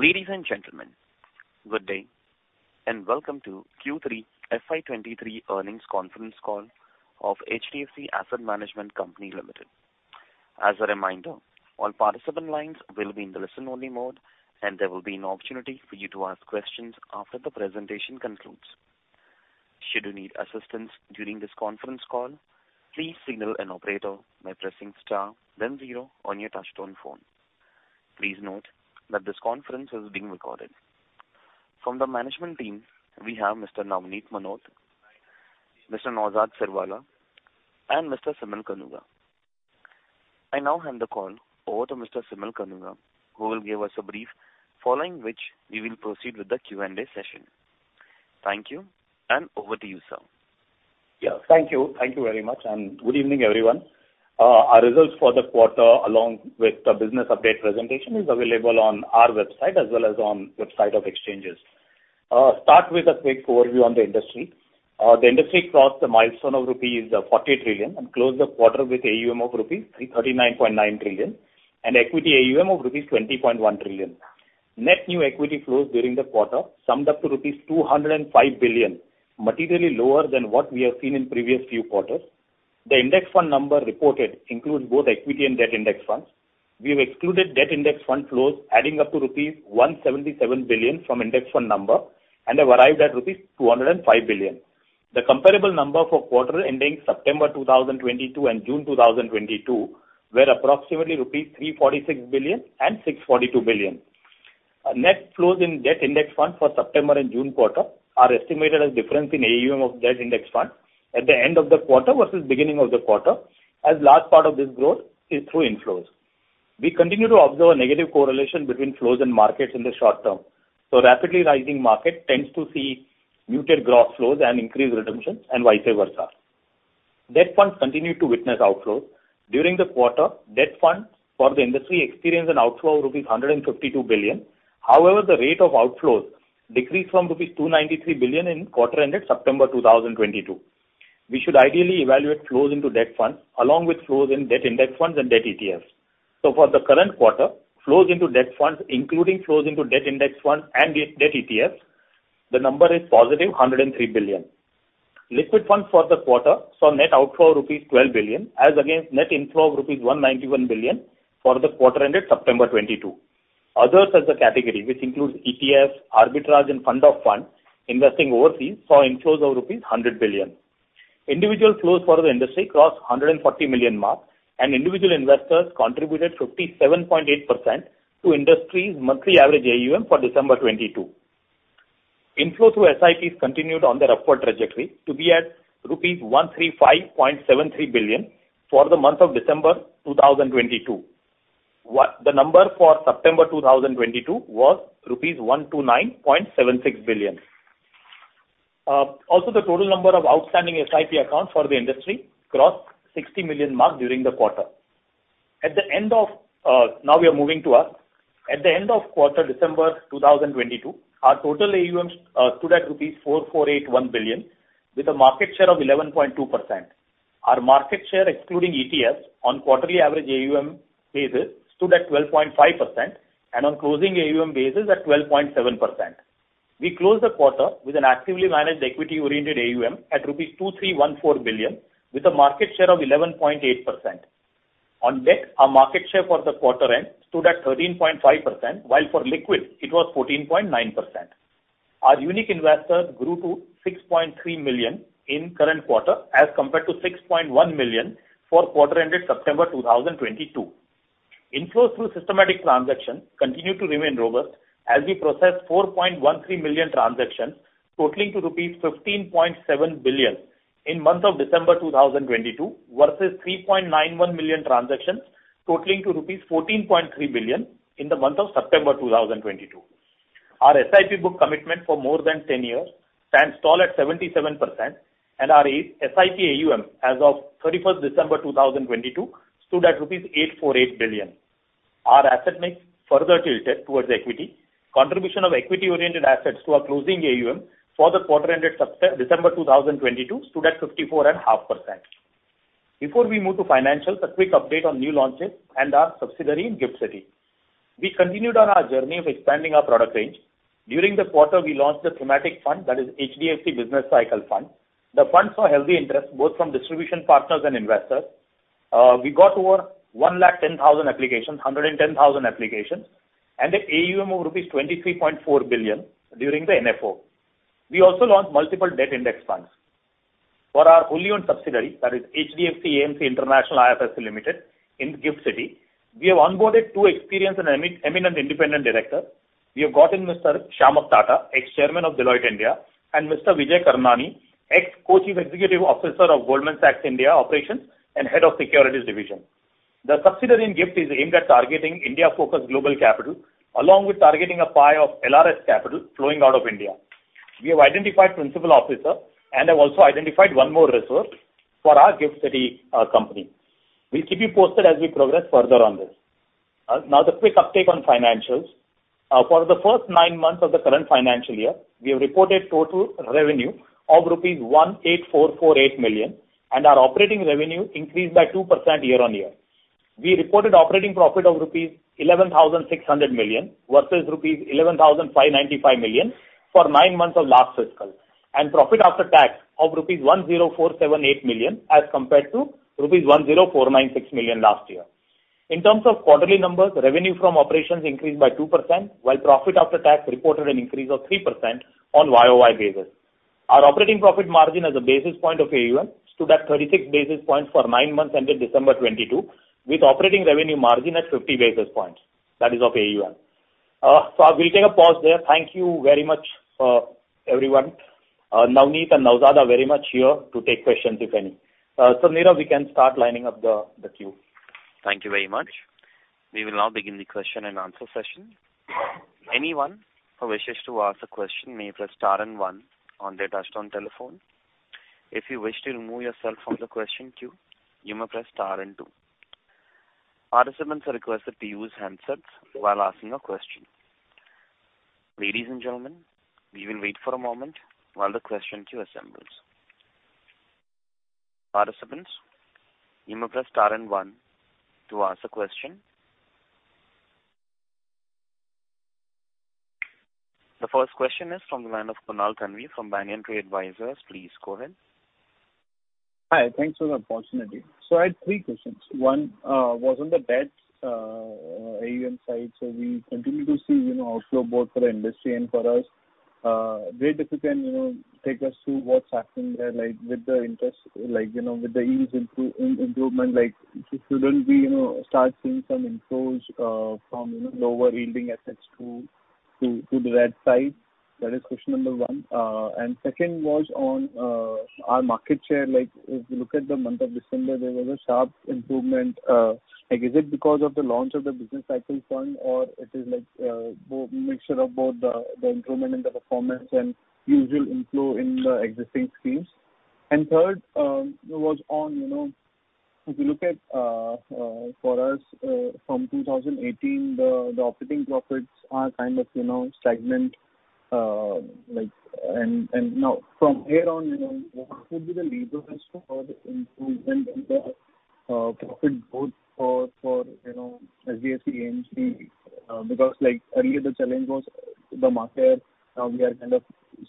Ladies and gentlemen, good day and welcome to Q3 FY23 earnings conference call of HDFC Asset Management Company Limited. As a reminder, all participant lines will be in the listen-only mode, and there will be an opportunity for you to ask questions after the presentation concludes. Should you need assistance during this conference call, please signal an operator by pressing star then zero on your touchtone phone. Please note that this conference is being recorded. From the management team, we have Mr. Navneet Munot, Mr. Naozad Sirwalla, and Mr. Simal Kanuga. I now hand the call over to Mr. Simal Kanuga who will give us a brief, following which we will proceed with the Q&A session. Thank you, and over to you, sir. Yeah. Thank you. Thank you very much, good evening, everyone. Our results for the quarter along with the business update presentation is available on our website as well as on website of exchanges. Start with a quick overview on the industry. The industry crossed the milestone of rupees 40 trillion, closed the quarter with AUM of rupees 339.9 trillion and equity AUM of rupees 20.1 trillion. Net new equity flows during the quarter summed up to rupees 205 billion, materially lower than what we have seen in previous few quarters. The index fund number reported includes both equity and debt index funds. We have excluded debt index fund flows adding up to rupees 177 billion from index fund number and have arrived at rupees 205 billion. The comparable number for quarter ending September 2022 and June 2022 were approximately rupees 346 billion and 642 billion. Net flows in debt index fund for September and June quarter are estimated as difference in AUM of debt index fund at the end of the quarter versus beginning of the quarter, as large part of this growth is through inflows. We continue to observe a negative correlation between flows and markets in the short term. Rapidly rising market tends to see muted gross flows and increased redemptions and vice versa. Debt funds continue to witness outflows. During the quarter, debt funds for the industry experienced an outflow of rupees 152 billion. The rate of outflows decreased from rupees 293 billion in quarter ended September 2022. We should ideally evaluate flows into debt funds along with flows in debt index funds and debt ETFs. For the current quarter, flows into debt funds, including flows into debt index funds and debt ETFs, the number is positive 103 billion. Liquid funds for the quarter saw net outflow of rupees 12 billion as against net inflow of rupees 191 billion for the quarter ended September 2022. Others as a category, which includes ETFs, arbitrage and fund of funds investing overseas, saw inflows of rupees 100 billion. Individual flows for the industry crossed 140 million mark, and individual investors contributed 57.8% to industry's monthly average AUM for December 2022. Inflows through SIPs continued on their upward trajectory to be at rupees 135.73 billion for the month of December 2022. The number for September 2022 was rupees 129.76 billion. Also, the total number of outstanding SIP accounts for the industry crossed 60 million mark during the quarter. Now we are moving to us. At the end of quarter December 2022, our total AUMs stood at rupees 4,481 billion with a market share of 11.2%. Our market share excluding ETFs on quarterly average AUM basis stood at 12.5% and on closing AUM basis at 12.7%. We closed the quarter with an actively managed equity-oriented AUM at rupees 2,314 billion with a market share of 11.8%. On debt, our market share for the quarter end stood at 13.5%, while for liquid it was 14.9%. Our unique investors grew to 6.3 million in current quarter as compared to 6.1 million for quarter ended September 2022. Inflows through systematic transactions continue to remain robust as we processed 4.13 million transactions totaling to rupees 15.7 billion in month of December 2022 versus 3.91 million transactions totaling to rupees 14.3 billion in the month of September 2022. Our SIP book commitment for more than 10 years stands tall at 77%, and our SIP AUM as of 31st December 2022 stood at rupees 848 billion. Our asset mix further tilted towards equity. Contribution of equity-oriented assets to our closing AUM for the quarter ended December 2022 stood at 54.5%. Before we move to financials, a quick update on new launches and our subsidiary in GIFT City. We continued on our journey of expanding our product range. During the quarter, we launched the thematic fund, that is HDFC Business Cycle Fund. The fund saw healthy interest both from distribution partners and investors. We got over 110,000 applications, and a AUM of rupees 23.4 billion during the NFO. We also launched multiple debt index funds. For our wholly-owned subsidiary, that is HDFC AMC International IFSC Limited in GIFT City, we have onboarded two experienced and eminent independent directors. We have gotten Mr. Shyamak Tata, ex-chairman of Deloitte India, and Mr. Vijay Karnani, ex-Co-Chief Executive Officer of Goldman Sachs India Operations and Head of Securities Division. The subsidiary in GIFT City is aimed at targeting India-focused global capital along with targeting a pie of LRS capital flowing out of India. We have identified principal officer and have also identified one more resource for our GIFT City company. We'll keep you posted as we progress further on this. The quick update on financials. For the first nine months of the current financial year, we have reported total revenue of rupees 18,448 million, and our operating revenue increased by 2% year-on-year. We reported operating profit of rupees 11,600 million versus rupees 11,595 million for nine months of last fiscal. Profit after tax of rupees 10,478 million as compared to rupees 10,496 million last year. In terms of quarterly numbers, revenue from operations increased by 2%, while profit after tax reported an increase of 3% on YoY basis. Our operating profit margin as a basis point of AUM stood at 36 basis points for nine months ended December 2022, with operating revenue margin at 50 basis points. That is of AUM. I will take a pause there. Thank you very much, everyone. Navneet and Naozad are very much here to take questions, if any. Nirav, we can start lining up the queue. Thank you very much. We will now begin the Q&A session. Anyone who wishes to ask a question may press star and one on their touch-tone telephone. If you wish to remove yourself from the question queue, you may press star and two. Participants are requested to use handsets while asking a question. Ladies and gentlemen, we will wait for a moment while the question queue assembles. Participants, you may press star and one to ask a question. The first question is from the line of Kunal Thanvi from BanyanTree Advisors. Please go ahead. Hi. Thanks for the opportunity. I had three questions. One was on the debt AUM side. We continue to see, you know, outflow both for the industry and for us. Great if you can, you know, take us through what's happening there, like, with the interest, like, you know, with the yields improvement, like, shouldn't we, you know, start seeing some inflows from, you know, lower yielding assets to the debt side? That is question number one. Second was on our market share. Like if you look at the month of December, there was a sharp improvement. Like, is it because of the launch of the Business Cycle Fund or it is like mixture of both the improvement in the performance and usual inflow in the existing schemes? Third, was on, you know, if you look at, for us, from 2018, the operating profits are kind of, you know, stagnant. Like, and now from here on, you know, what could be the levers for the improvement in the profit both for, you know, HDFC AMC, because like earlier the challenge was the market share. Now we are kind of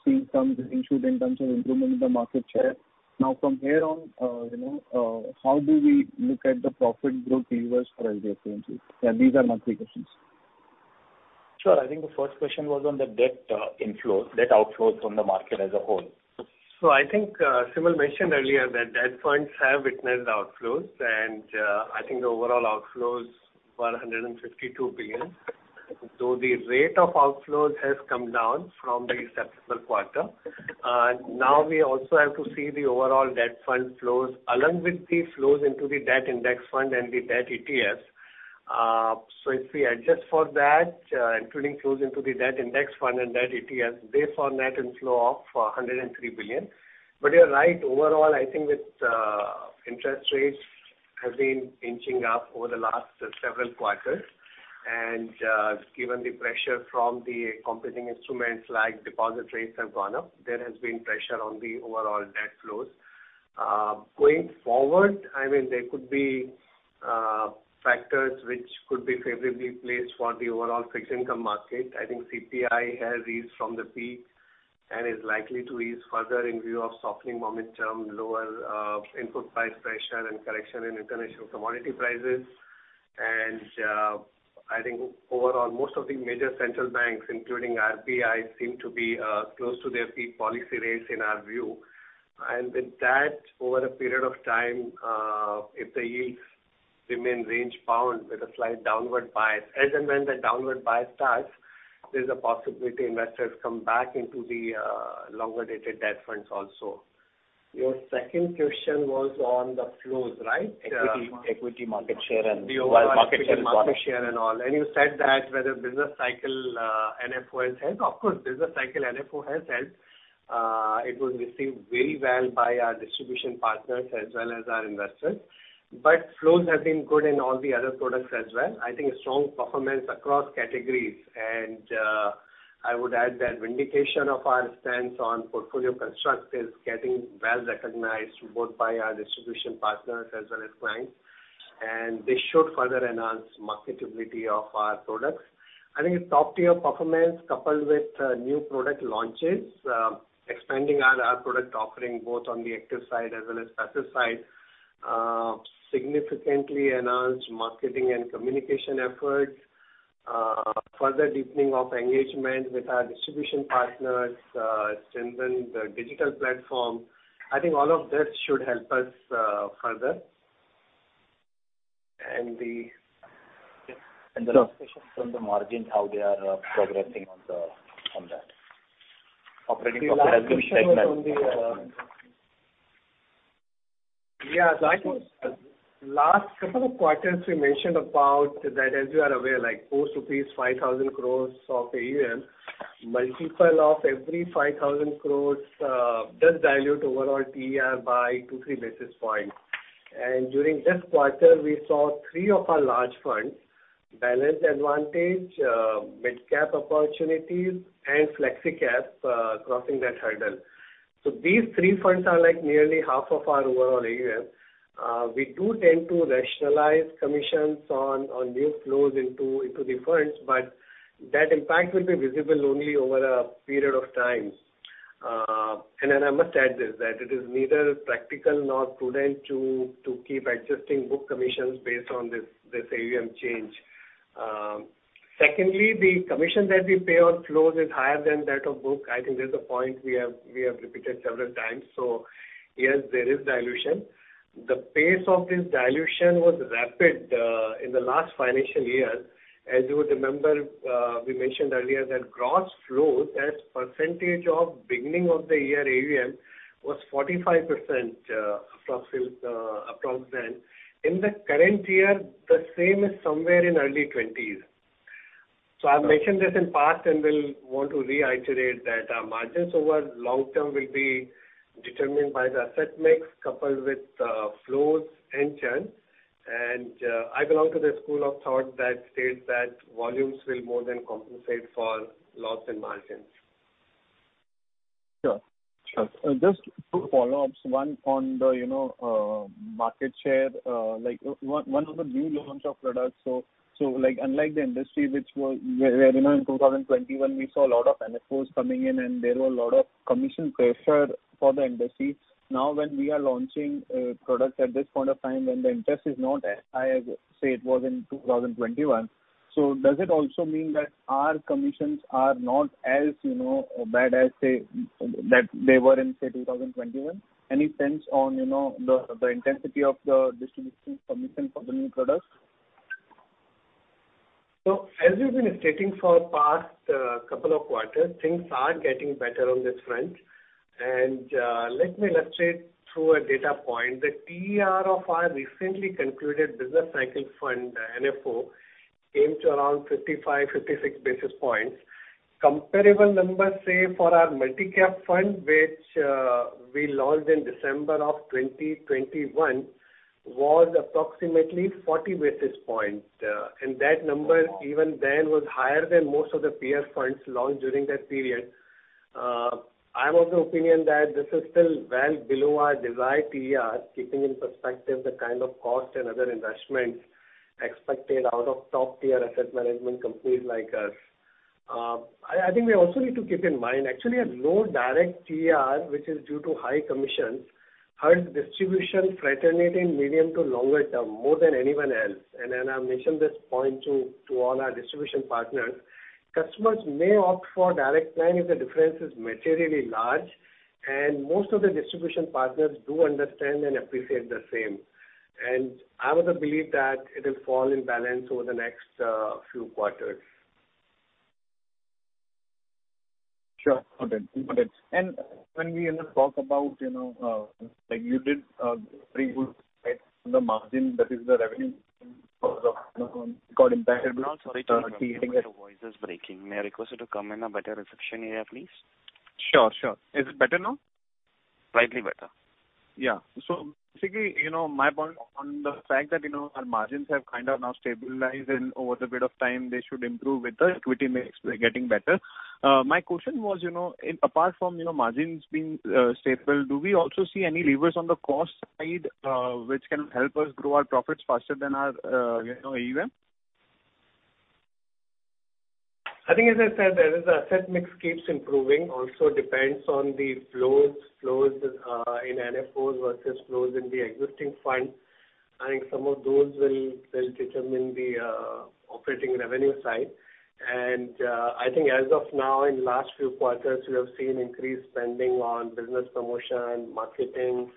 seeing some green shoot in terms of improvement in the market share. Now from here on, you know, how do we look at the profit growth levers for HDFC AMC? Yeah, these are my three questions. Sure. I think the first question was on the debt, inflows, debt outflows from the market as a whole. I think Simal mentioned earlier that debt funds have witnessed outflows and I think the overall outflows were 152 billion. The rate of outflows has come down from the September quarter. Now we also have to see the overall debt fund flows along with the flows into the debt index fund and the debt ETFs. If we adjust for that, including flows into the debt index fund and debt ETFs, they saw a net inflow of 103 billion. You're right. Overall, I think with interest rates have been inching up over the last several quarters and given the pressure from the competing instruments like deposit rates have gone up, there has been pressure on the overall debt flows. Going forward, I mean, there could be factors which could be favorably placed for the overall fixed income market. I think CPI has eased from the peak and is likely to ease further in view of softening momentum, lower input price pressure and correction in international commodity prices. I think overall most of the major central banks, including RBI, seem to be close to their peak policy rates in our view. With that, over a period of time, if the yields remain range-bound with a slight downward bias. As and when the downward bias starts, there's a possibility investors come back into the longer-dated debt funds also. Your second question was on the flows, right? Equity market share. The overall equity market share and all. You said that whether Business Cycle NFO has helped. Of course, Business Cycle NFO has helped. It was received very well by our distribution partners as well as our investors. Flows have been good in all the other products as well. I think a strong performance across categories and I would add that vindication of our stance on portfolio construct is getting well recognized both by our distribution partners as well as clients, and this should further enhance marketability of our products. I think a top-tier performance coupled with new product launches, expanding our product offering both on the active side as well as passive side, significantly enhanced marketing and communication efforts, further deepening of engagement with our distribution partners, strengthen the digital platform. I think all of this should help us further. And the- The last question from the margin, how they are progressing on that. Operating profit has been stagnant. Yeah. I think last couple of quarters we mentioned about that as you are aware, like close to 5,000 crores of AUM multiple of every 5,000 crores, does dilute overall TER by 2-3 basis points. During this quarter, we saw three of our large funds, Balanced Advantage, Mid-Cap Opportunities, and Flexi Cap, crossing that hurdle. These three funds are like nearly half of our overall AUM. We do tend to rationalize commissions on new flows into the funds, so these three funds are like nearly half of our overall AUM. We do tend to rationalize commissions on new flows into the funds. That impact will be visible only over a period of time. I must add this, that it is neither practical nor prudent to keep adjusting book commissions based on this AUM change. Secondly, the commission that we pay on flows is higher than that of book. I think this is a point we have repeated several times. Yes, there is dilution. The pace of this dilution was rapid in the last financial year. As you would remember, we mentioned earlier that gross flows as percentage of beginning of the year AUM was 45%, approx, approximate. In the current year, the same is somewhere in early 20s. I've mentioned this in past and will want to reiterate that our margins over long term will be determined by the asset mix coupled with flows and churn. I belong to the school of thought that states that volumes will more than compensate for loss in margins. Sure, sure. Just two follow-ups. One on the, you know, market share, like one of the new launch of products. Unlike the industry which was, you know, in 2020 when we saw a lot of NFOs coming in and there were a lot of commission pressure for the industry. When we are launching a product at this point of time when the interest is not as high as, say, it was in 2021, does it also mean that our commissions are not as, you know, bad as, say, that they were in, say, 2021? Any sense on, you know, the intensity of the distribution commission for the new products? As we've been stating for past couple of quarters, things are getting better on this front. Let me illustrate through a data point. The TER of our recently concluded Business Cycle Fund NFO came to around 55, 56 basis points. Comparable numbers, say, for our Multi-Cap Fund, which we launched in December of 2021, was approximately 40 basis points. That number even then was higher than most of the peer funds launched during that period. I'm of the opinion that this is still well below our desired TER, keeping in perspective the kind of cost and other investments expected out of top-tier asset management companies like us. I think we also need to keep in mind, actually a low direct TER, which is due to high commissions, hurts distribution fraternity in medium to longer term more than anyone else. Then I mention this point to all our distribution partners. Customers may opt for direct plan if the difference is materially large, and most of the distribution partners do understand and appreciate the same. I would believe that it'll fall in balance over the next few quarters. Sure. Got it. Got it. When we, you know, talk about, you know, like you did, pretty good on the margin that is the revenue got impacted- No, sorry to interrupt you. Your voice is breaking. May I request you to come in a better reception area, please? Sure, sure. Is it better now? Slightly better. Basically, you know, my point on the fact that, you know, our margins have kind of now stabilized and over the period of time they should improve with the equity mix getting better. My question was, you know, in apart from, you know, margins being stable, do we also see any levers on the cost side, which can help us grow our profits faster than our, you know, AUM? I think as I said, as the asset mix keeps improving also depends on the flows, in NFOs versus flows in the existing funds. I think some of those will determine the operating revenue side. I think as of now in last few quarters, we have seen increased spending on business promotion, marketing,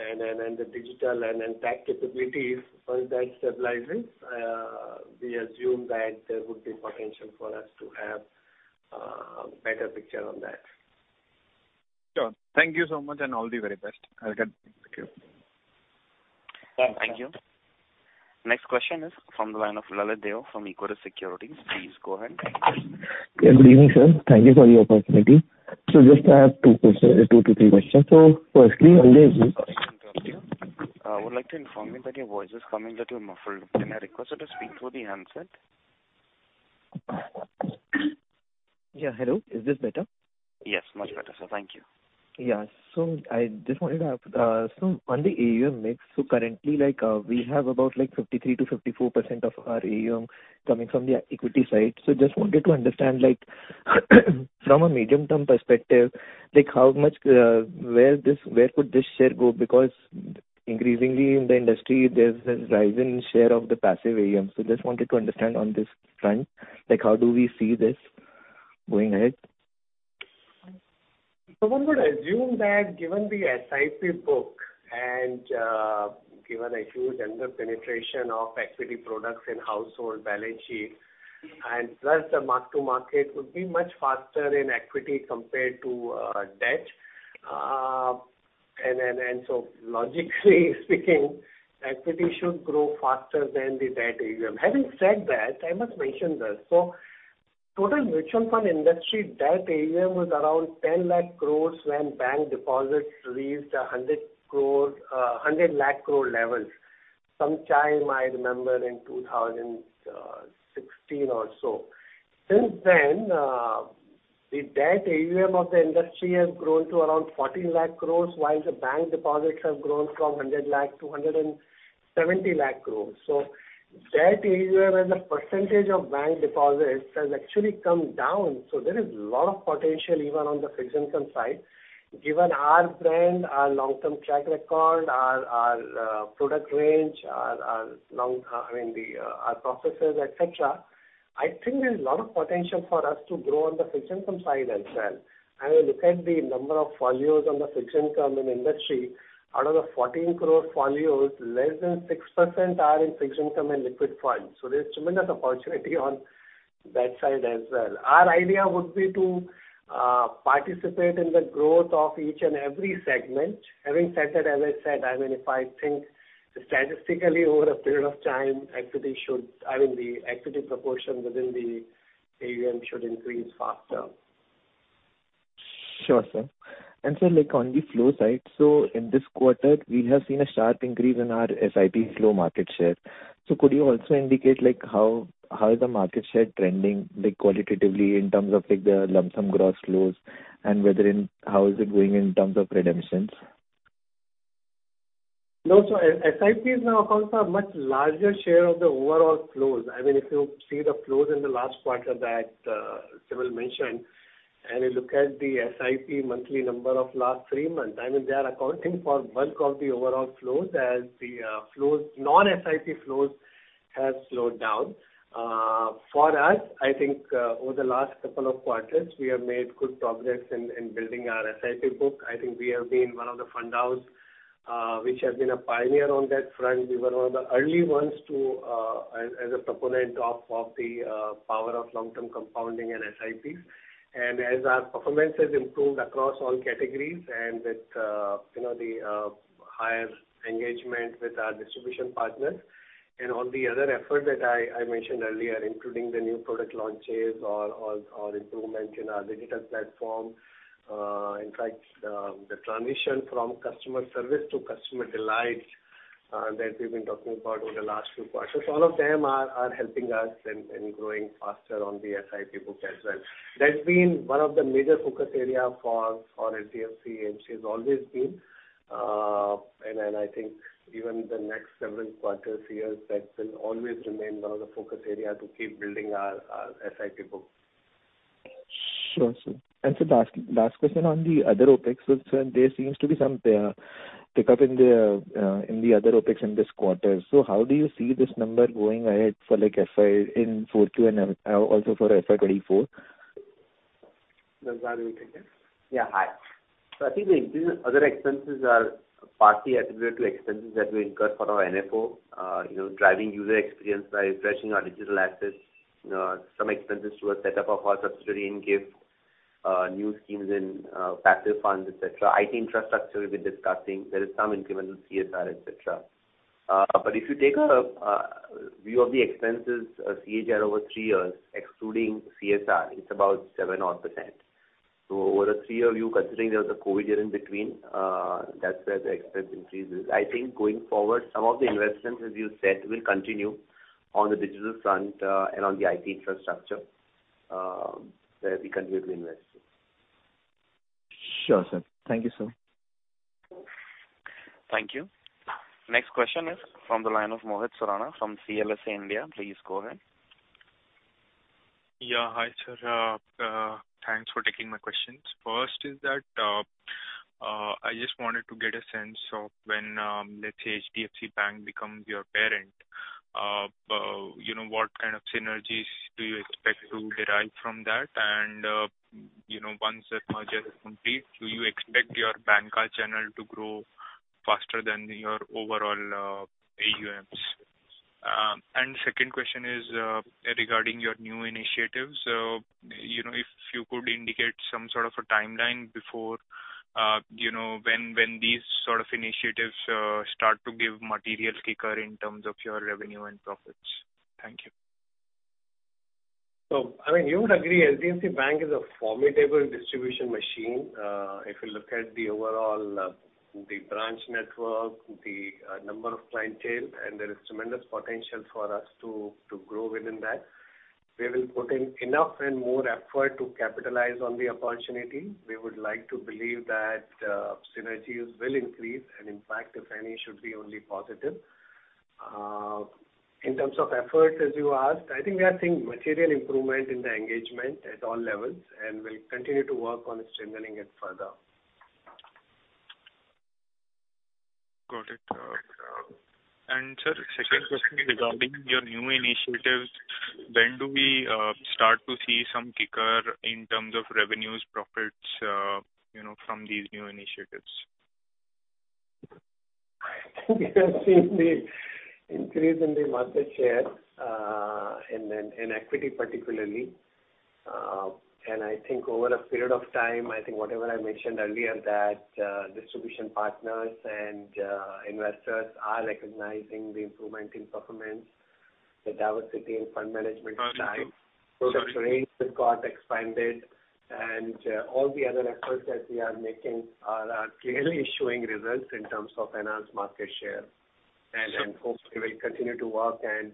and the digital and tech capabilities. Once that stabilizes, we assume that there would be potential for us to have better picture on that. Sure. Thank you so much, and all the very best. I'll get back to you. Thanks. Thank you. Next question is from the line of Lalit Deo from Equirus Securities. Please go ahead. Good evening, sir. Thank you for the opportunity. Just I have two to three questions. Firstly. Sorry to interrupt you. would like to inform you that your voice is coming little muffled. Can I request you to speak through the handset? Yeah. Hello, is this better? Yes, much better, sir. Thank you. Yeah. I just wanted to ask, on the AUM mix. Currently like, we have about like 53%-54% of our AUM coming from the equity side. Just wanted to understand, like from a medium-term perspective, like how much, where could this share go? Because increasingly in the industry there's a rise in share of the passive AUM. Just wanted to understand on this front, like how do we see this going ahead? One would assume that given the SIP book and given a huge under-penetration of equity products in household balance sheets, and plus the mark-to-market would be much faster in equity compared to debt. Logically speaking, equity should grow faster than the debt AUM. Having said that, I must mention this. Total mutual fund industry debt AUM was around 10 lakh crore when bank deposits reached 100 lakh crore levels some time I remember in 2016 or so. Since then, the debt AUM of the industry has grown to around 14 lakh crore, while the bank deposits have grown from 100 lakh to 170 lakh crore. Debt AUM as a percentage of bank deposits has actually come down. There is a lot of potential even on the fixed income side. Given our brand, our long-term track record, our product range, our long, I mean, the our processes, et cetera, I think there's a lot of potential for us to grow on the fixed income side as well. I mean, look at the number of folios on the fixed income in industry. Out of the 14 crore folios, less than 6% are in fixed income and liquid funds. There's tremendous opportunity on that side as well. Our idea would be to participate in the growth of each and every segment. Having said that, as I said, I mean, if I think statistically over a period of time, equity should I mean, the equity proportion within the AUM should increase faster. Sure, sir. Sir, like, on the flow side, so in this quarter we have seen a sharp increase in our SIP flow market share. Could you also indicate, like, how is the market share trending, like, qualitatively in terms of, like, the lump sum gross flows and whether how is it going in terms of redemptions? SIPs now account for a much larger share of the overall flows. I mean, if you see the flows in the last quarter that Simal mentioned, and you look at the SIP monthly number of last three months, I mean, they are accounting for bulk of the overall flows as the flows, non-SIP flows have slowed down. For us, I think, over the last couple of quarters, we have made good progress in building our SIP book. I think we have been one of the fund houses which have been a pioneer on that front. We were one of the early ones to as a proponent of the power of long-term compounding and SIPs. As our performance has improved across all categories and with, you know, the higher engagement with our distribution partners and all the other effort that I mentioned earlier, including the new product launches or improvement in our digital platform. In fact, the transition from customer service to customer delight, that we've been talking about over the last few quarters, all of them are helping us in growing faster on the SIP book as well. That's been one of the major focus area for HDFC, and she's always been, and then I think even the next several quarters, years, that will always remain one of the focus area to keep building our SIP book. Sure, sir. Sir, last question on the other OpEx. There seems to be some pickup in the other OpEx in this quarter. How do you see this number going ahead for like FY in 4Q and also for FY24? Naozad, you take it? Yeah. Hi. I think the increase in other expenses are partly attributed to expenses that we incur for our NFO, you know, driving user experience by refreshing our digital assets. Some expenses through a set up of our subsidiary in GIF, new schemes in factor funds, et cetera. IT infrastructure we've been discussing. There is some incremental CSR, et cetera. If you take a view of the expenses CAGR over three years, excluding CSR, it's about 7-odd percent. Over a three-year view considering there was a COVID year in between, that's where the expense increase is. I think going forward, some of the investments, as you said, will continue on the digital front and on the IT infrastructure, where we continue to invest. Sure, sir. Thank you, sir. Thank you. Next question is from the line of Mohit Surana from CLSA India. Please go ahead. Yeah. Hi, sir. Thanks for taking my questions. First is that, I just wanted to get a sense of when, let's say HDFC Bank becomes your parent, you know, what kind of synergies do you expect to derive from that? You know, once the merger is complete, do you expect your bancassurance channel to grow faster than your overall AUMs? Second question is regarding your new initiatives. You know, if you could indicate some sort of a timeline before, you know, when these sort of initiatives start to give material kicker in terms of your revenue and profits. Thank you. I mean, you would agree HDFC Bank is a formidable distribution machine. If you look at the overall, the branch network, the number of clientele, and there is tremendous potential for us to grow within that. We will put in enough and more effort to capitalize on the opportunity. We would like to believe that synergies will increase and in fact if any should be only positive. In terms of effort, as you asked, I think we are seeing material improvement in the engagement at all levels and we'll continue to work on strengthening it further. Got it. Sir, second question regarding your new initiatives, when do we start to see some kicker in terms of revenues, profits, you know, from these new initiatives? I think we have seen the increase in the market share, in equity particularly. I think over a period of time, I think whatever I mentioned earlier that distribution partners and investors are recognizing the improvement in performance, the diversity in fund management style. Uh, so- Product range has got expanded and all the other efforts that we are making are clearly showing results in terms of enhanced market share. Sure. Hopefully will continue to work and,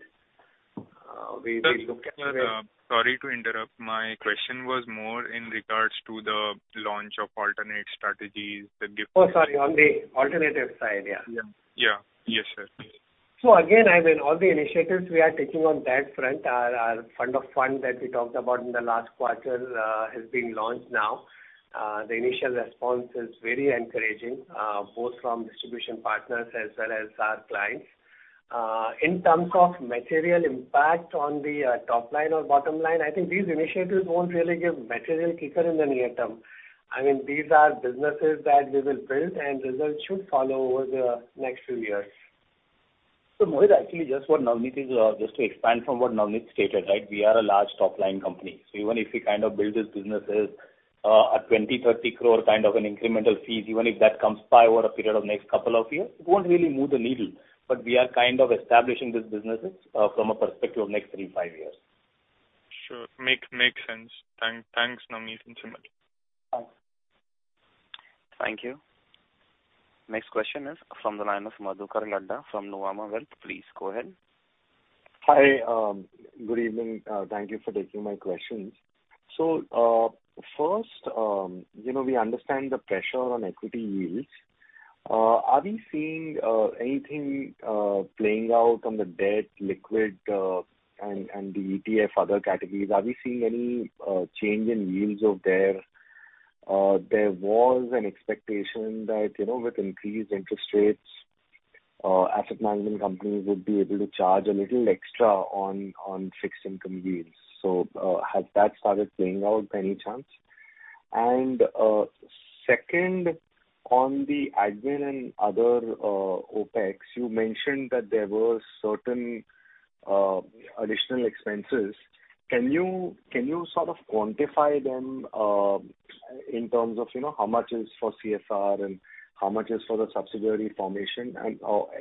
we will look at. Sir, sorry to interrupt. My question was more in regards to the launch of alternate strategies. Oh, sorry. On the alternative side, yeah. Yeah. Yeah. Yes, sir. Again, I mean, all the initiatives we are taking on that front are fund of funds that we talked about in the last quarter, has been launched now. The initial response is very encouraging, both from distribution partners as well as our clients. In terms of material impact on the top line or bottom line, I think these initiatives won't really give material kicker in the near term. I mean, these are businesses that we will build and results should follow over the next few years. Mohit, actually just to expand from what Navneet stated, right. We are a large top-line company. Even if we kind of build these businesses, at 20 crore-30 crore kind of an incremental fees, even if that comes by over a period of next couple of years, it won't really move the needle. We are kind of establishing these businesses, from a perspective of next three to five years. Sure. Makes sense. Thanks, Navneet, and Simal. Yes. Thank you. Next question is from the line of Madhukar Ladha from Nuvama Wealth. Please go ahead. Hi. Good evening. Thank you for taking my questions. First, you know, we understand the pressure on equity yields. Are we seeing anything playing out on the debt liquid and the ETF other categories? Are we seeing any change in yields over there? There was an expectation that, you know, with increased interest rates, asset management companies would be able to charge a little extra on fixed income yields. Has that started playing out by any chance? Second, on the admin and other OpEx, you mentioned that there were certain additional expenses. Can you sort of quantify them, in terms of, you know, how much is for CSR and how much is for the subsidiary formation?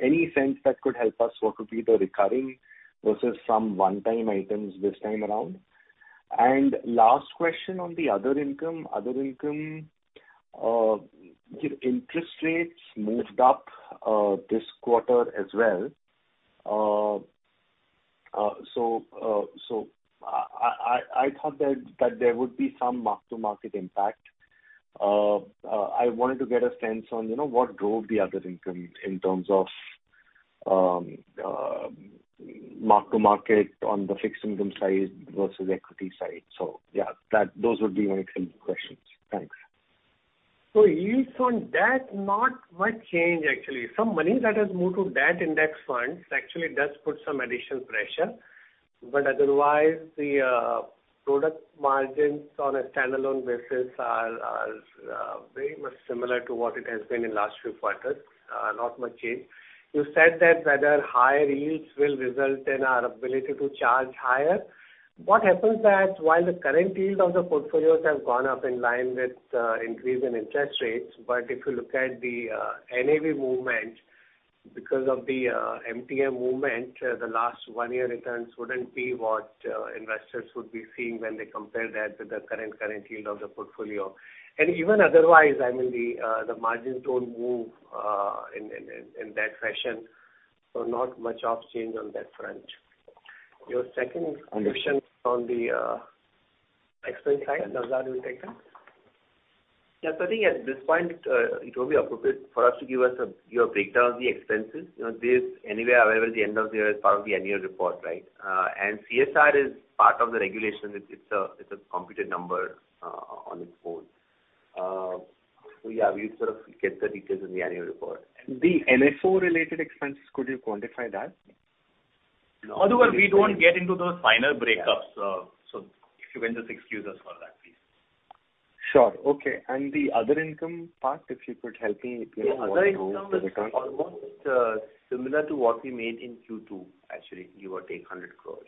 Any sense that could help us what could be the recurring versus some one-time items this time around? Last question on the other income. Other income, interest rates moved up, this quarter as well. I thought that there would be some mark-to-market impact. I wanted to get a sense on, you know, what drove the other income in terms of mark-to-market on the fixed income side versus equity side. Yeah, those would be my three questions. Thanks. Yields on debt, not much change actually. Some money that has moved to debt index funds actually does put some additional pressure. Otherwise, the product margins on a standalone basis are very much similar to what it has been in last few quarters. Not much change. You said that whether higher yields will result in our ability to charge higher. What happens that while the current yield of the portfolios have gone up in line with increase in interest rates, but if you look at the NAV movement, because of the MTM movement, the last one-year returns wouldn't be what investors would be seeing when they compare that with the current yield of the portfolio. Even otherwise, I mean, the margins don't move in that fashion. Not much of change on that front. Your second question on the expense side, Naozad, you take that? Yes. I think at this point, it will be appropriate for us to give you a breakdown of the expenses. You know, this anyway available at the end of the year as part of the annual report, right? CSR is part of the regulation. It's a computed number, on its own. Yeah, we sort of get the details in the annual report. The MFO related expenses, could you quantify that? No. Otherwise, we don't get into those final breakups. If you can just excuse us for that, please. Sure. Okay. The other income part, if you could help me, you know, what drove the return? Yeah. Other income is almost similar to what we made in Q2, actually, give or take 100 crores.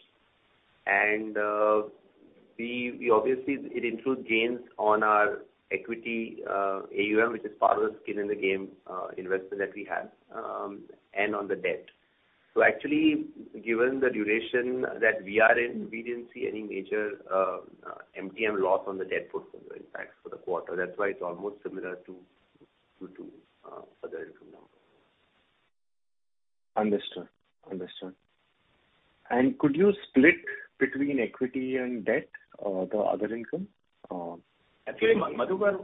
We obviously It includes gains on our equity AUM, which is part of the skin in the game investment that we have, and on the debt. Actually, given the duration that we are in, we didn't see any major MTM loss on the debt portfolio impacts for the quarter. That's why it's almost similar to Q2 other income now. Understood. Understood. Could you split between equity and debt, the other income? Actually, Madhukar,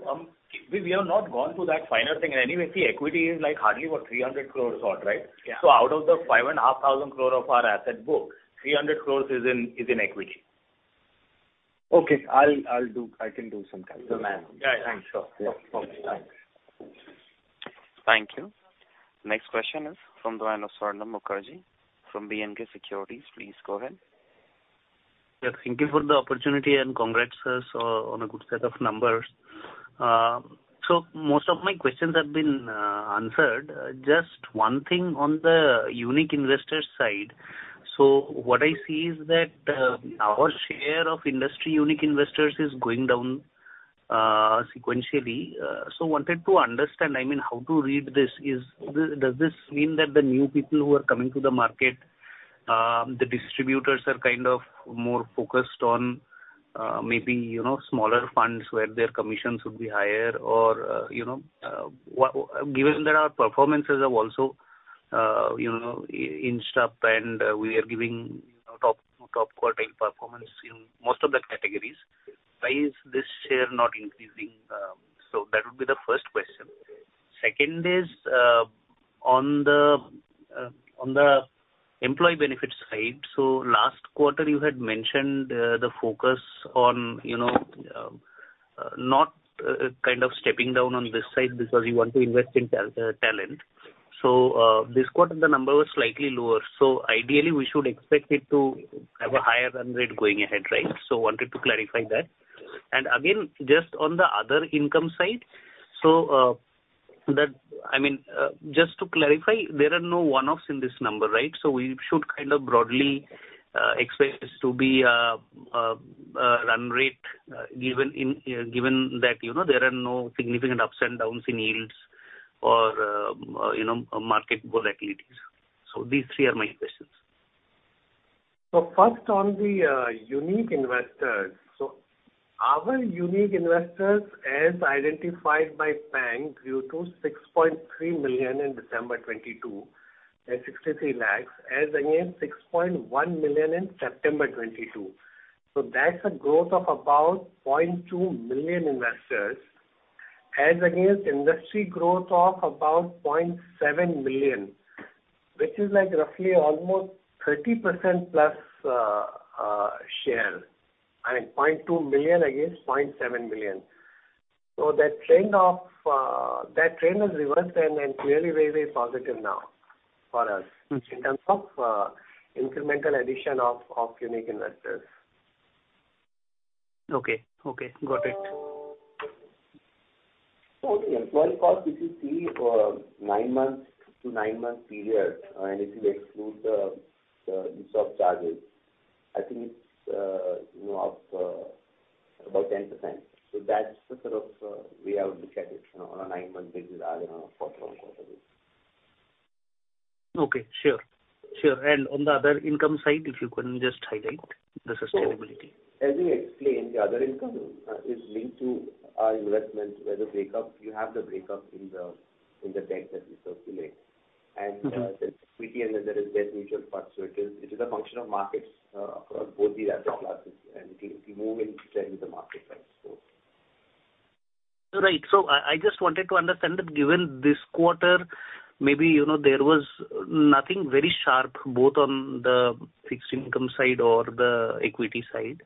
we have not gone through that final thing. Anyway, see, equity is like hardly, what, 300 crores odd, right? Yeah. Out of the 5,500 crore of our asset book, 300 crore is in equity. Okay. I can do some calculation. Yeah, yeah. Sure. Thanks. Thank you. Next question is from the line of Swarnab Mukherjee from B&K Securities. Please go ahead. Yes, thank you for the opportunity and congrats, on a good set of numbers. Most of my questions have been answered. Just one thing on the unique investor side. What I see is that our share of industry unique investors is going down sequentially. Wanted to understand, I mean, how to read this. Does this mean that the new people who are coming to the market, the distributors are kind of more focused on, maybe, you know, smaller funds where their commissions would be higher? Given that our performances have also, you know, inched up and we are giving, you know, top quartile performance in most of the categories, why is this share not increasing? That would be the first question. Second is, on the employee benefit side. Last quarter you had mentioned, the focus on, you know, not kind of stepping down on this side because you want to invest in talent. This quarter the number was slightly lower. Ideally we should expect it to have a higher run rate going ahead, right? Wanted to clarify that. Again, just on the other income side. That... I mean, just to clarify, there are no one-offs in this number, right? We should kind of broadly expect this to be a run rate, given in, given that, you know, there are no significant ups and downs in yields or, you know, market volatilities. These three are my questions. First on the unique investors. Our unique investors as identified by bank grew to 6.3 million in December 2022. That's 63 lakhs. As against 6.1 million in September 2022. That's a growth of about 0.2 million investors, as against industry growth of about 0.7 million, which is like roughly almost 30% plus share. I mean, 0.2 million against 0.7 million. That trend of that trend has reversed and clearly very, very positive now for us. Mm-hmm. In terms of incremental addition of unique investors. Okay. Okay. Got it. The employee cost, if you see, 9 months to 9-month period, and if you exclude the use of charges, I think it's, you know, up about 10%. That's the sort of way I would look at it, you know, on a 9-month basis rather on a quarter-on-quarter basis. Okay. Sure. Sure. On the other income side, if you can just highlight the sustainability. As we explained, the other income is linked to our investments where the breakup. You have the breakup in the deck that we circulate. Mm-hmm. There's equity and then there is debt mutual funds. It is a function of markets across both the asset classes. It'll move in tandem with the market price, so. Right. I just wanted to understand that given this quarter, maybe, you know, there was nothing very sharp both on the fixed income side or the equity side.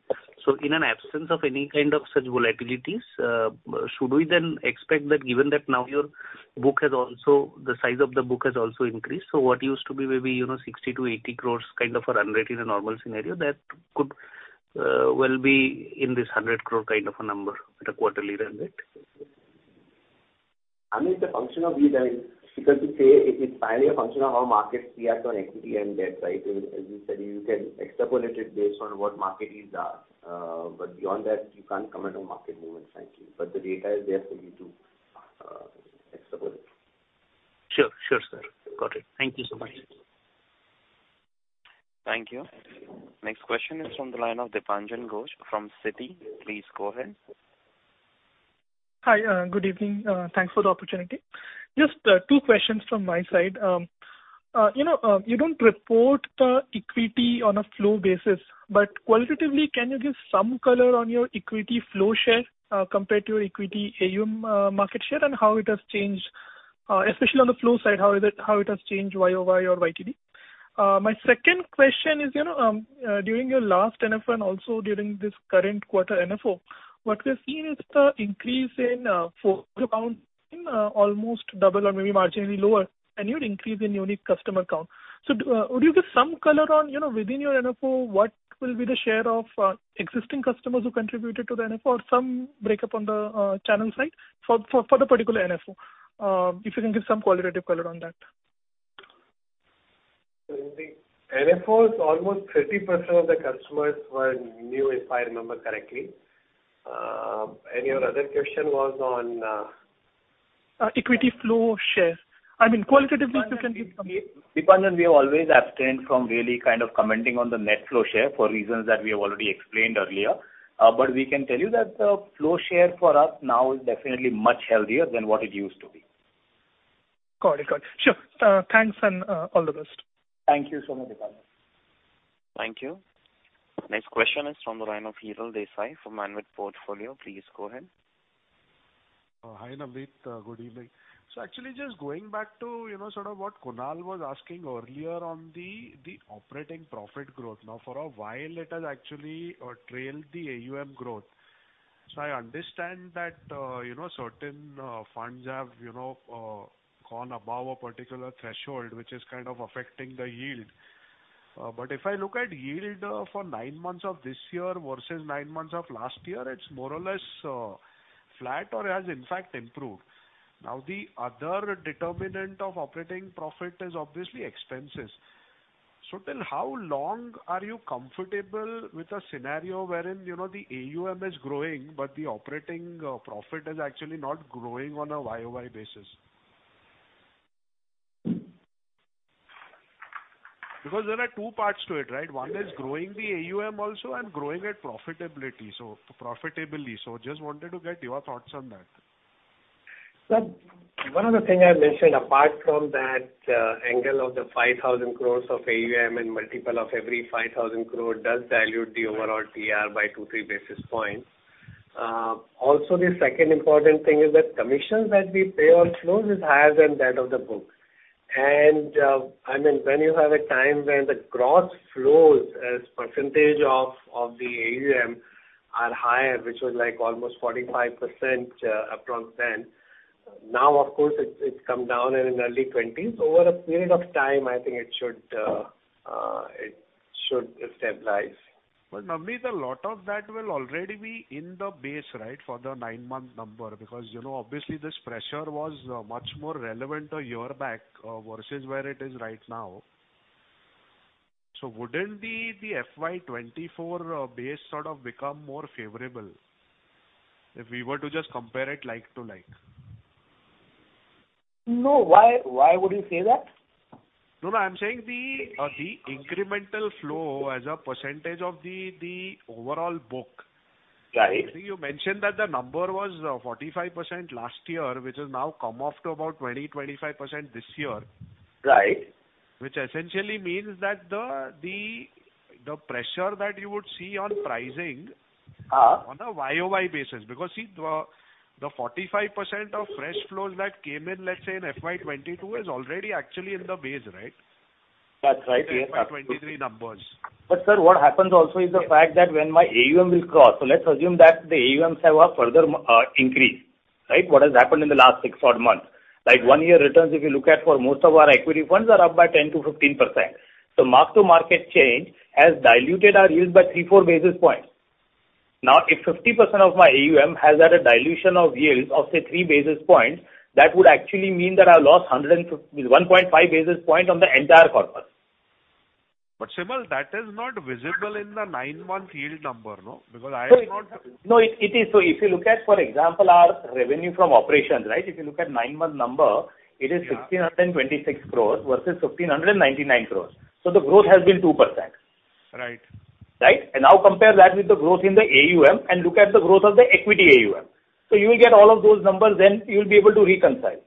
In an absence of any kind of such volatilities, should we then expect that given that now your book has also, the size of the book has also increased, what used to be maybe, you know, 60 crore-80 crore kind of a run rate in a normal scenario that could will be in this 100 crore kind of a number at a quarterly run rate? I mean, it's a function of these. You say it's primarily a function of how markets react on equity and debt, right? As you said, you can extrapolate it based on what market yields are. Beyond that, you can't comment on market movements, frankly. The data is there for you to extrapolate. Sure. Sure, sir. Got it. Thank you so much. Thank you. Next question is from the line of Dipanjan Ghosh from Citi. Please go ahead. Hi. Good evening. Thanks for the opportunity. Just two questions from my side. You know, you don't report the equity on a flow basis, but qualitatively can you give some color on your equity flow share compared to your equity AUM market share and how it has changed, especially on the flow side, how it has changed YoY or YTD? My second question is, you know, during your last NFO and also during this current quarter NFO, what we're seeing is the increase in four accounts, almost double or maybe marginally lower annual increase in unique customer count. Would you give some color on, you know, within your NFO, what will be the share of existing customers who contributed to the NFO or some breakup on the channel side for the particular NFO? If you can give some qualitative color on that. In the NFOs almost 30% of the customers were new, if I remember correctly. Your other question was on. Equity flow share. I mean qualitatively if you can give some-. Deepanjan, we have always abstained from really kind of commenting on the net flow share for reasons that we have already explained earlier. We can tell you that the flow share for us now is definitely much healthier than what it used to be. Got it. Got it. Sure. Thanks and all the best. Thank you so much, Deepanjan. Thank you. Next question is from the line of Hiral Desai from Manvit Portfolio. Please go ahead. Hi, Navneet. Good evening. Actually just going back to, you know, sort of what Kunal was asking earlier on the operating profit growth. For a while it has actually trailed the AUM growth. I understand that, you know, certain funds have, you know, gone above a particular threshold, which is kind of affecting the yield. But if I look at yield for nine months of this year versus nine months of last year, it's more or less flat or it has in fact improved. The other determinant of operating profit is obviously expenses. How long are you comfortable with a scenario wherein, you know, the AUM is growing, but the operating profit is actually not growing on a YoY basis? Because there are two parts to it, right? One is growing the AUM also and growing it profitably. Just wanted to get your thoughts on that. Sir, one of the things I mentioned apart from that angle of the 5,000 crore of AUM and multiple of every 5,000 crore does dilute the overall TR by 2-3 basis points. Also, the second important thing is that commissions that we pay on flows is higher than that of the book. I mean, when you have a time when the gross flows as percentage of the AUM are higher, which was like almost 45% upfront then. Now, of course, it's come down and in early 20s. Over a period of time, I think it should stabilize. Navneet, a lot of that will already be in the base, right? For the nine-month number. You know, obviously this pressure was much more relevant a year back versus where it is right now. Wouldn't the FY 2024 base sort of become more favorable if we were to just compare it like to like? No. Why would you say that? No, no, I'm saying the incremental flow as a percentage of the overall book. Right. You mentioned that the number was, 45% last year, which has now come off to about 20, 25% this year. Right. Which essentially means that the pressure that you would see on pricing- Uh- On a YoY basis. See the 45% of fresh flows that came in, let's say in FY22 is already actually in the base, right? That's right. FY 23 numbers. Sir, what happens also is the fact that when my AUM will cross. Let's assume that the AUMs have a further increase, right? What has happened in the last six odd months. Like one year returns, if you look at for most of our equity funds are up by 10%-15%. Mark to market change has diluted our yields by 3, 4 basis points. If 50% of my AUM has had a dilution of yields of say 3 basis points, that would actually mean that I lost 1.5 basis points on the entire corpus. Simal, that is not visible in the nine-month yield number, no? Because I have not. No, it is. If you look at, for example, our revenue from operations, right? If you look at 9-month number, it is 1,626 crores versus 1,599 crores. The growth has been 2%. Right. Right? Now compare that with the growth in the AUM and look at the growth of the equity AUM. You will get all of those numbers, then you'll be able to reconcile.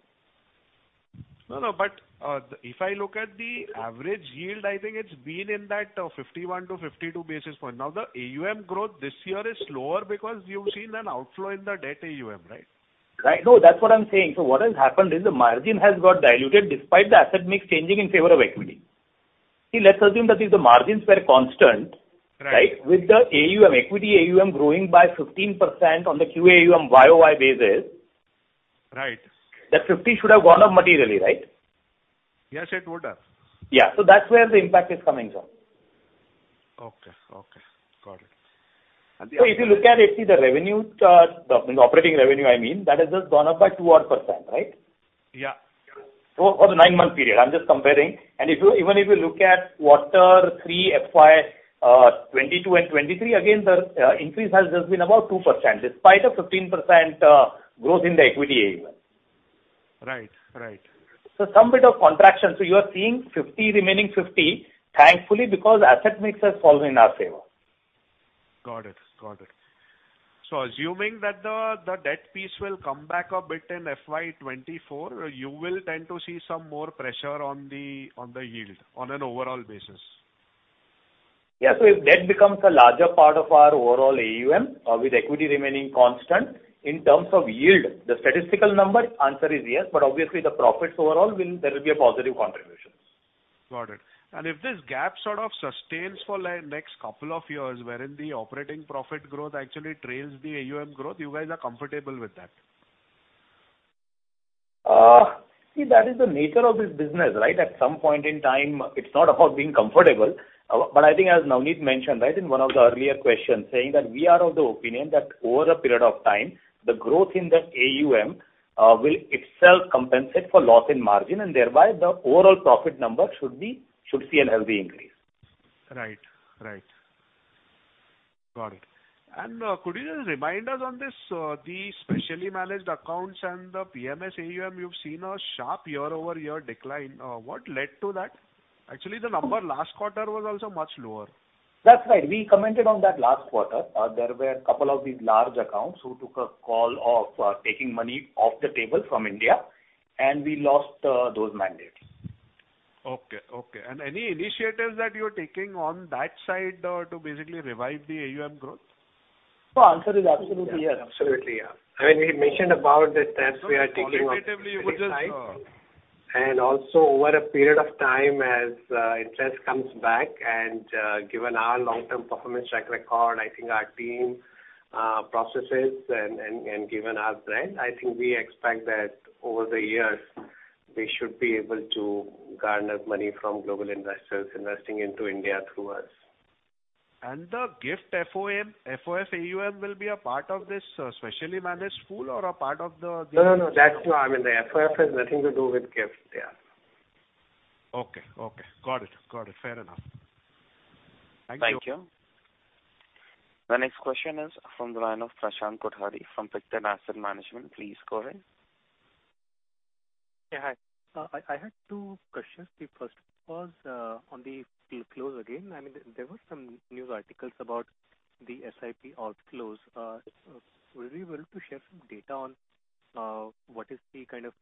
If I look at the average yield, I think it's been in that 51 to 52 basis point. Now, the AUM growth this year is slower because you've seen an outflow in the debt AUM, right? Right. No, that's what I'm saying. What has happened is the margin has got diluted despite the asset mix changing in favor of equity. See, let's assume that if the margins were constant- Right. Right? With the AUM, equity AUM growing by 15% on the Q AUM YoY basis. Right. That 50 should have gone up materially, right? Yes, it would have. Yeah. That's where the impact is coming from. Okay. Okay. Got it. If you look at it, see the revenue chart, the operating revenue, I mean, that has just gone up by 2-odd percent, right? Yeah. For the nine-month period. I'm just comparing. If you even if you look at Q3 FY 2022 and 2023, again, the increase has just been about 2%, despite a 15% growth in the equity AUM. Right. Right. Some bit of contraction. You are seeing 50 remaining 50, thankfully, because asset mix has fallen in our favor. Got it. Got it. Assuming that the debt piece will come back a bit in FY 2024, you will tend to see some more pressure on the yield on an overall basis. Yeah. If debt becomes a larger part of our overall AUM, with equity remaining constant. In terms of yield, the statistical number answer is yes, but obviously there will be a positive contribution. Got it. If this gap sort of sustains for like next couple of years, wherein the operating profit growth actually trails the AUM growth, you guys are comfortable with that? See that is the nature of this business, right. At some point in time, it's not about being comfortable. I think as Navneet mentioned, right, in one of the earlier questions saying that we are of the opinion that over a period of time, the growth in the AUM will itself compensate for loss in margin, and thereby the overall profit number should see a healthy increase. Right. Right. Got it. Could you just remind us on this, the specially managed accounts and the PMS AUM, you've seen a sharp year-over-year decline? What led to that? Actually, the number last quarter was also much lower. That's right. We commented on that last quarter. There were a couple of these large accounts who took a call of taking money off the table from India, and we lost those mandates. Okay. Okay. Any initiatives that you're taking on that side, to basically revive the AUM growth? The answer is absolutely, yes. Absolutely, yeah. I mean, we mentioned about the steps we are taking. Qualitatively you would just... Also over a period of time as interest comes back and given our long-term performance track record, I think our team, processes and given our brand, I think we expect that over the years, we should be able to garner money from global investors investing into India through us. The GIFT FOM, FOF AUM will be a part of this, specially managed pool or a part of the. No, that's no. I mean, the FOF has nothing to do with GIFT City. Yeah. Okay. Okay. Got it. Got it. Fair enough. Thank you. Thank you. The next question is from the line of Prashant Kothari from Pictet Asset Management. Please go ahead. Yeah, hi. I had two questions. The first was on the outflows again. I mean, there were some news articles about the SIP outflows. Were you able to share some data on what is the kind of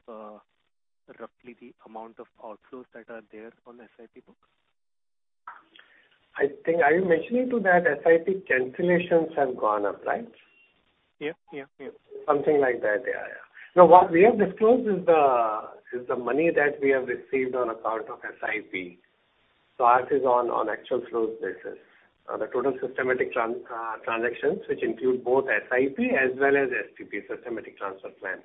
roughly the amount of outflows that are there on SIP books? Are you mentioning to that SIP cancellations have gone up, right? Yeah, yeah. Something like that, yeah. What we have disclosed is the money that we have received on account of SIP. Ours is on actual flows basis. The total systematic transactions, which include both SIP as well as STP, systematic transfer plan.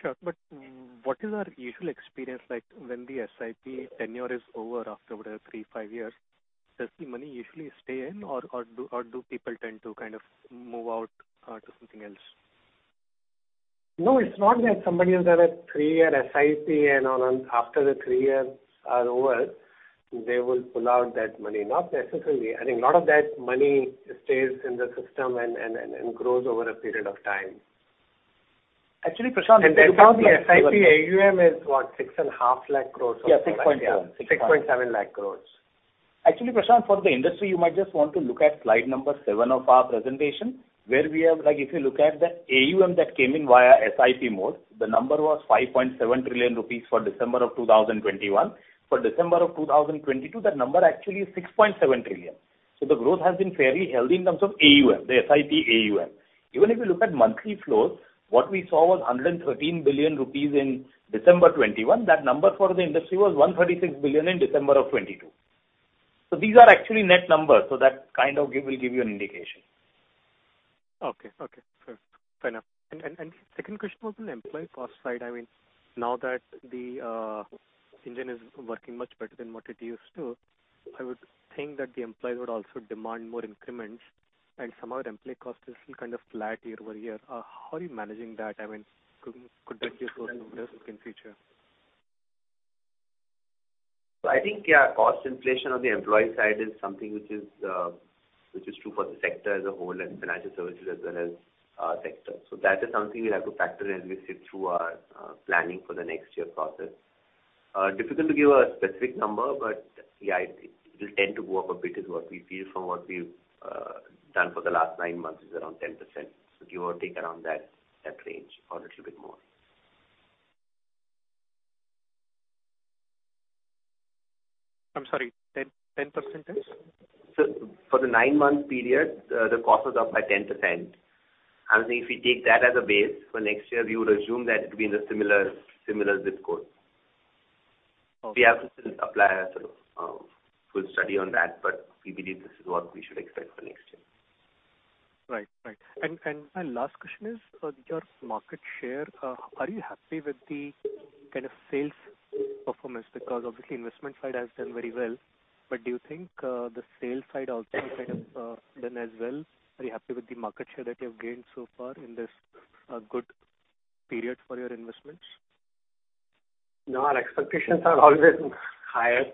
Sure. What is our usual experience like when the SIP tenure is over after whatever, three, five years? Does the money usually stay in or do people tend to kind of move out to something else? No, it's not that somebody will have a three-year SIP and after the three years are over, they will pull out that money. Not necessarily. I think a lot of that money stays in the system and grows over a period of time. Actually, Prashant, if you look at. Therefore the SIP AUM is what? 6.5 lakh crore or so. Yeah, six point-. Yeah. 6 point- Six point seven lakh crores. Actually, Prashant, for the industry, you might just want to look at slide number seven of our presentation, where we have, like if you look at the AUM that came in via SIP mode, the number was 5.7 trillion rupees for December 2021. For December 2022, that number actually is 6.7 trillion. The growth has been fairly healthy in terms of AUM, the SIP AUM. Even if you look at monthly flows, what we saw was 113 billion rupees in December 2021. That number for the industry was 136 billion in December 2022. These are actually net numbers, so that will give you an indication. Okay. Okay. Fair. Fair enough. Second question was on employee cost side. I mean, now that the engine is working much better than what it used to, I would think that the employees would also demand more increments and some of our employee cost is still kind of flat year-over-year. How are you managing that? I mean, could that be a source of risk in future? I think, yeah, cost inflation on the employee side is something which is true for the sector as a whole and financial services as well as sector. That is something we'll have to factor in as we sit through our planning for the next year process. Difficult to give a specific number, but yeah, it will tend to go up a bit is what we feel from what we've done for the last nine months is around 10%. Give or take around that range or a little bit more. I'm sorry, 10%? For the nine-month period, the cost was up by 10%. I would say if we take that as a base for next year, we would assume that it'll be in a similar zip code. Okay. We have to still apply a sort of, full study on that, but we believe this is what we should expect for next year. Right. My last question is, your market share, are you happy with the kind of sales performance? Obviously investment side has done very well, but do you think, the sales side also kind of done as well? Are you happy with the market share that you have gained so far in this good period for your investments? No, our expectations are always higher.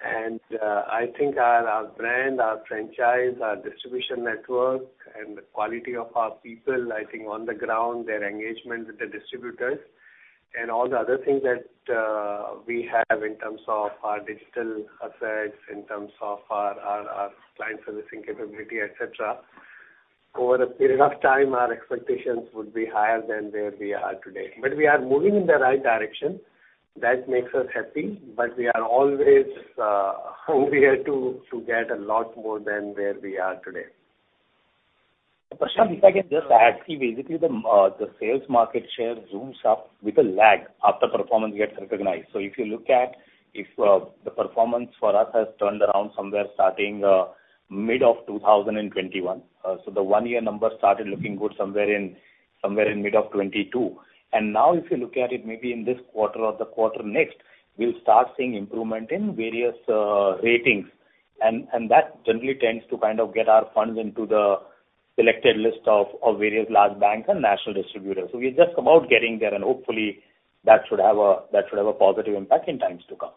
I think our brand, our franchise, our distribution network and the quality of our people, I think on the ground, their engagement with the distributors and all the other things that we have in terms of our digital assets, in terms of our client servicing capability, et cetera. Over a period of time, our expectations would be higher than where we are today. We are moving in the right direction. That makes us happy, but we are always hungrier to get a lot more than where we are today. Prashant, if I can just add, basically the sales market share zooms up with a lag after performance gets recognized. If you look at, if the performance for us has turned around somewhere starting mid of 2021. The one-year number started looking good somewhere in mid of 2022. Now if you look at it maybe in this quarter or the quarter next, we'll start seeing improvement in various ratings and that generally tends to kind of get our funds into the selected list of various large banks and national distributors. We're just about getting there, and hopefully that should have a positive impact in times to come.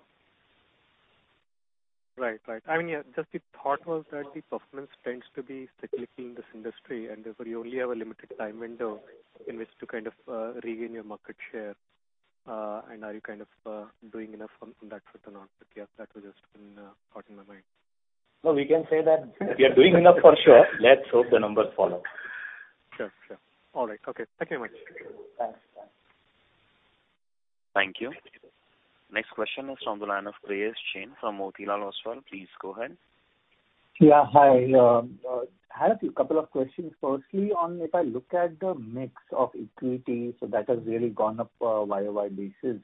Right. Right. I mean, yeah, just the thought was that the performance tends to be cyclical in this industry, therefore you only have a limited time window in which to kind of, regain your market share. Are you kind of, doing enough on that front or not? Yeah, that was just a thought in my mind. No, we can say that we are doing enough for sure. Let's hope the numbers follow. Sure. Sure. All right. Okay. Thank you very much. Thanks. Bye. Thank you. Next question is from the line of Prayesh Jain from Motilal Oswal. Please go ahead. Yeah, hi. I have a couple of questions. Firstly, on if I look at the mix of equity, so that has really gone up year-over-year basis.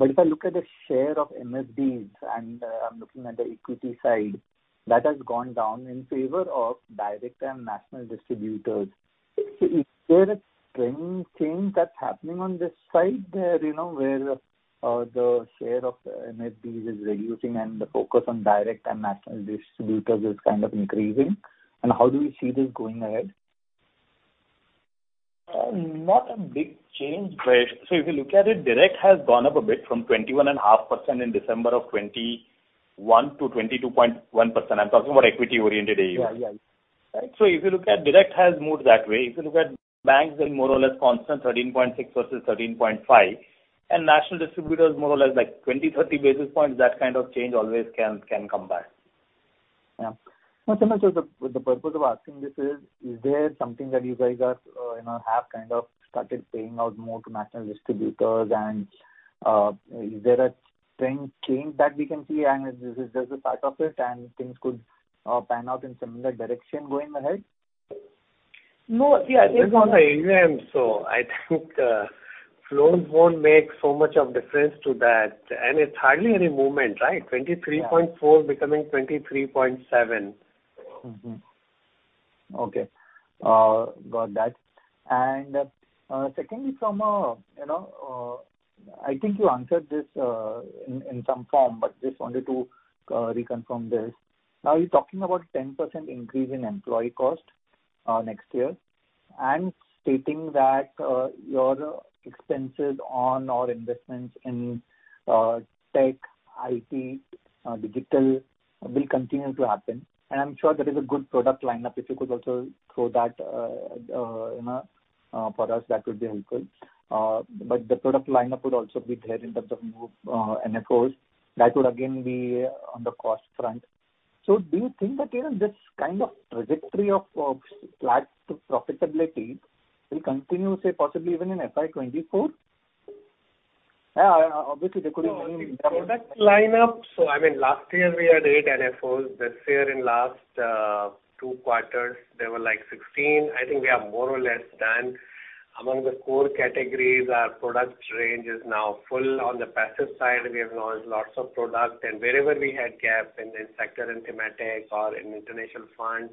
If I look at the share of MFDs and I'm looking at the equity side. That has gone down in favor of direct and national distributors. Is there a trend change that's happening on this side there, you know, where the share of NFDs is reducing and the focus on direct and national distributors is kind of increasing? How do we see this going ahead? Not a big change. If you look at it, direct has gone up a bit from 21.5% in December of 2021 to 22.1%. I'm talking about equity-oriented AUM. Yeah, yeah. Right? If you look at direct has moved that way. If you look at banks, they're more or less constant, 13.6 versus 13.5. National distributors more or less like 20, 30 basis points, that kind of change always can come by. Yeah. No, so the purpose of asking this is there something that you guys are, you know, have kind of started paying out more to national distributors and, is there a trend change that we can see? Is this just a part of it and things could pan out in similar direction going ahead? No. Yeah. This is on the AUM, so I think the flows won't make so much of difference to that and it's hardly any movement, right? Yeah. 23.4 becoming 23.7. Okay. Got that. Secondly from, you know, I think you answered this in some form, but just wanted to reconfirm this. Now you're talking about 10% increase in employee cost next year and stating that your expenses on, or investments in, tech, IT, digital will continue to happen. I'm sure there is a good product lineup. If you could also throw that, you know, for us, that would be helpful. The product lineup would also be there in terms of new NFOs. That would again be on the cost front. Do you think that, you know, this kind of trajectory of flat to profitability will continue, say, possibly even in FY 2024? Obviously there could have been- In product lineup, I mean, last year we had 8 NFOs. This year in last, two quarters there were like 16. I think we are more or less done. Among the core categories, our product range is now full on the passive side. We have launched lots of products and wherever we had gaps in the sector and thematic or in international funds,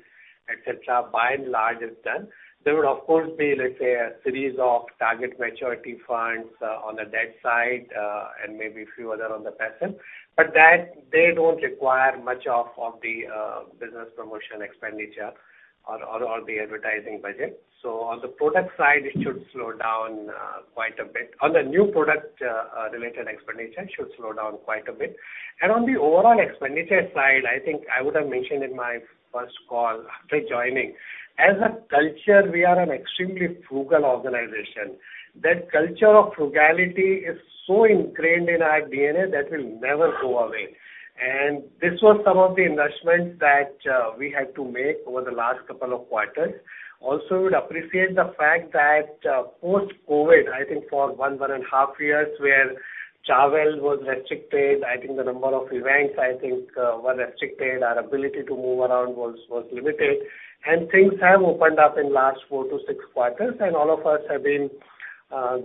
et cetera, by and large is done. There would of course be, let's say, a series of target maturity funds, on the debt side, and maybe a few other on the passive. That they don't require much of the, business promotion expenditure or, or the advertising budget. On the product side it should slow down, quite a bit. On the new product, related expenditure it should slow down quite a bit. On the overall expenditure side, I would have mentioned in my first call after joining, as a culture, we are an extremely frugal organization. That culture of frugality is so ingrained in our DNA that will never go away. This was some of the investments that we had to make over the last couple of quarters. Also would appreciate the fact that post-COVID, for one and a half years where travel was restricted, the number of events were restricted, our ability to move around was limited. Things have opened up in last 4-6 quarters, all of us have been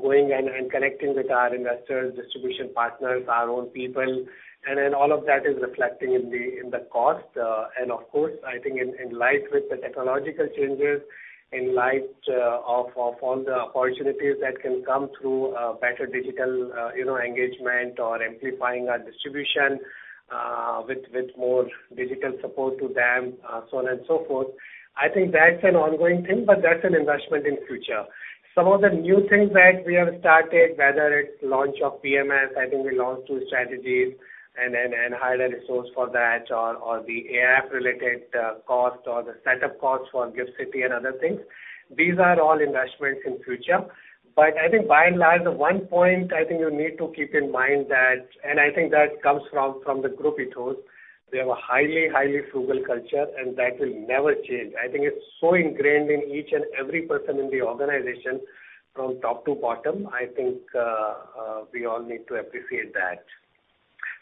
going and connecting with our investors, distribution partners, our own people and all of that is reflecting in the cost. Of course, I think in light with the technological changes, in light of all the opportunities that can come through better digital, you know, engagement or amplifying our distribution with more digital support to them, so on and so forth. I think that's an ongoing thing, but that's an investment in future. Some of the new things that we have started, whether it's launch of PMS, I think we launched two strategies and then, and hired a resource for that or the AI-related cost or the setup costs for GIFT City and other things. These are all investments in future. I think by and large, the one point I think you need to keep in mind that. I think that comes from the group it holds. We have a highly frugal culture, That will never change. I think it's so ingrained in each and every person in the organization from top to bottom. I think we all need to appreciate that.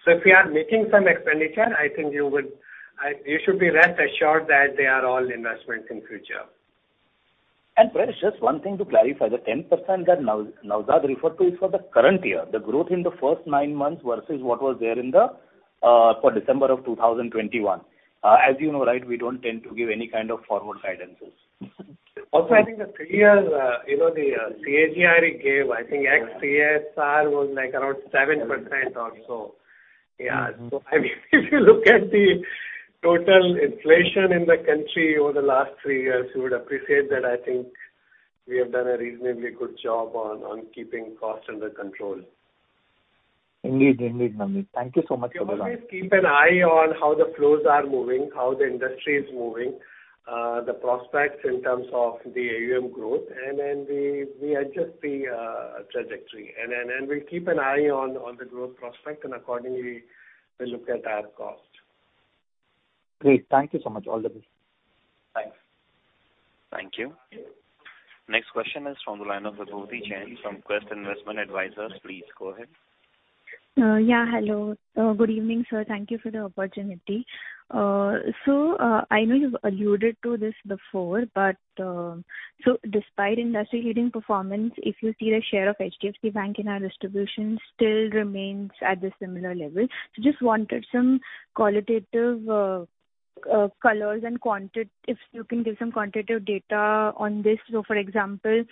If we are making some expenditure, I think you should be rest assured that they are all investments in future. Prayesh, just one thing to clarify. The 10% that Naozad referred to is for the current year, the growth in the first nine months versus what was there in December 2021. As you know, right, we don't tend to give any kind of forward guidances. I think the three-year, you know, the CAGR he gave, I think ex-CSR was like around 7% or so. Yeah. Mm-hmm. I mean, if you look at the total inflation in the country over the last three years, you would appreciate that I think we have done a reasonably good job on keeping costs under control. Indeed. Indeed, Navneet. Thank you so much for We always keep an eye on how the flows are moving, how the industry is moving, the prospects in terms of the AUM growth. Then we adjust the trajectory. We keep an eye on the growth prospect and accordingly we look at our cost. Great. Thank you so much. All the best. Thanks. Thank you. Next question is from the line of Aditi Jain from Quest Investment Advisors. Please go ahead. Yeah, hello. Good evening, sir. Thank you for the opportunity. I know you've alluded to this before, but despite industry leading performance, if you see the share of HDFC Bank in our distribution still remains at the similar level. Just wanted some qualitative colors and if you can give some quantitative data on this. For example,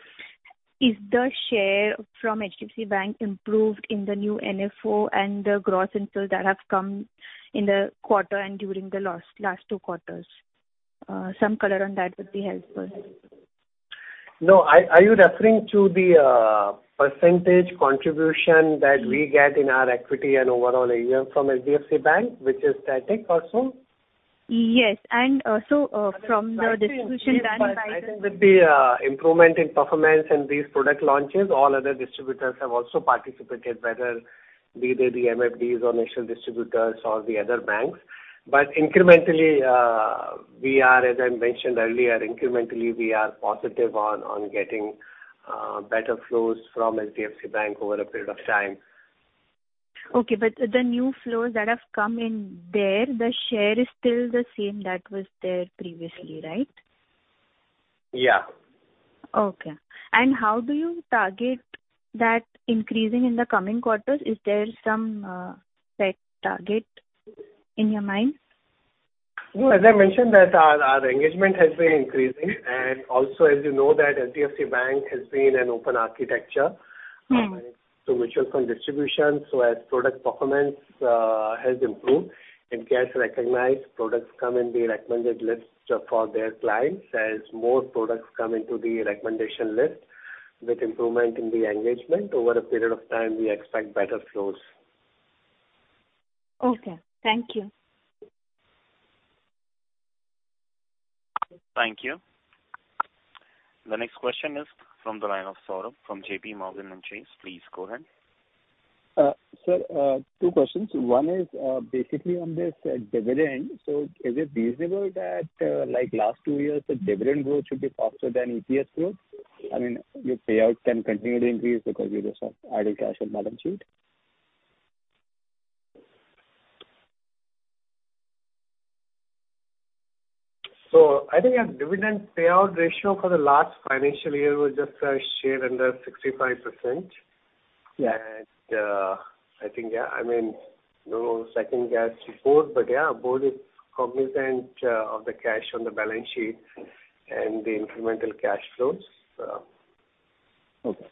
is the share from HDFC Bank improved in the new NFO and the gross install that have come in the quarter and during the last two quarters? Some color on that would be helpful. No. Are you referring to the percentage contribution that we get in our equity and overall AUM from HDFC Bank, which is static also? Yes. Also, from the distribution done by- I think with the improvement in performance and these product launches, all other distributors have also participated, whether be they the MFDs or national distributors or the other banks. Incrementally, we are as I mentioned earlier, incrementally we are positive on getting better flows from HDFC Bank over a period of time. Okay. The new flows that have come in there, the share is still the same that was there previously, right? Yeah. Okay. How do you target that increasing in the coming quarters? Is there some set target in your mind? No, as I mentioned that our engagement has been increasing. Also as you know that HDFC Bank has been an open architecture. Mm-hmm. Mutual fund distribution. As product performance has improved and gets recognized, products come in the recommended list for their clients. As more products come into the recommendation list with improvement in the engagement, over a period of time we expect better flows. Okay. Thank you. Thank you. The next question is from the line of Saurabh from JPMorgan Chase. Please go ahead. Sir, two questions. One is basically on this dividend. Is it feasible that, like last two years, the dividend growth should be faster than EPS growth? I mean, your payout can continually increase because you just have added cash on balance sheet. I think our dividend payout ratio for the last financial year was just shared under 65%. Yeah. I think, yeah, I mean, no second guess to board, but yeah, board is cognizant, of the cash on the balance sheet and the incremental cash flows, so. Okay.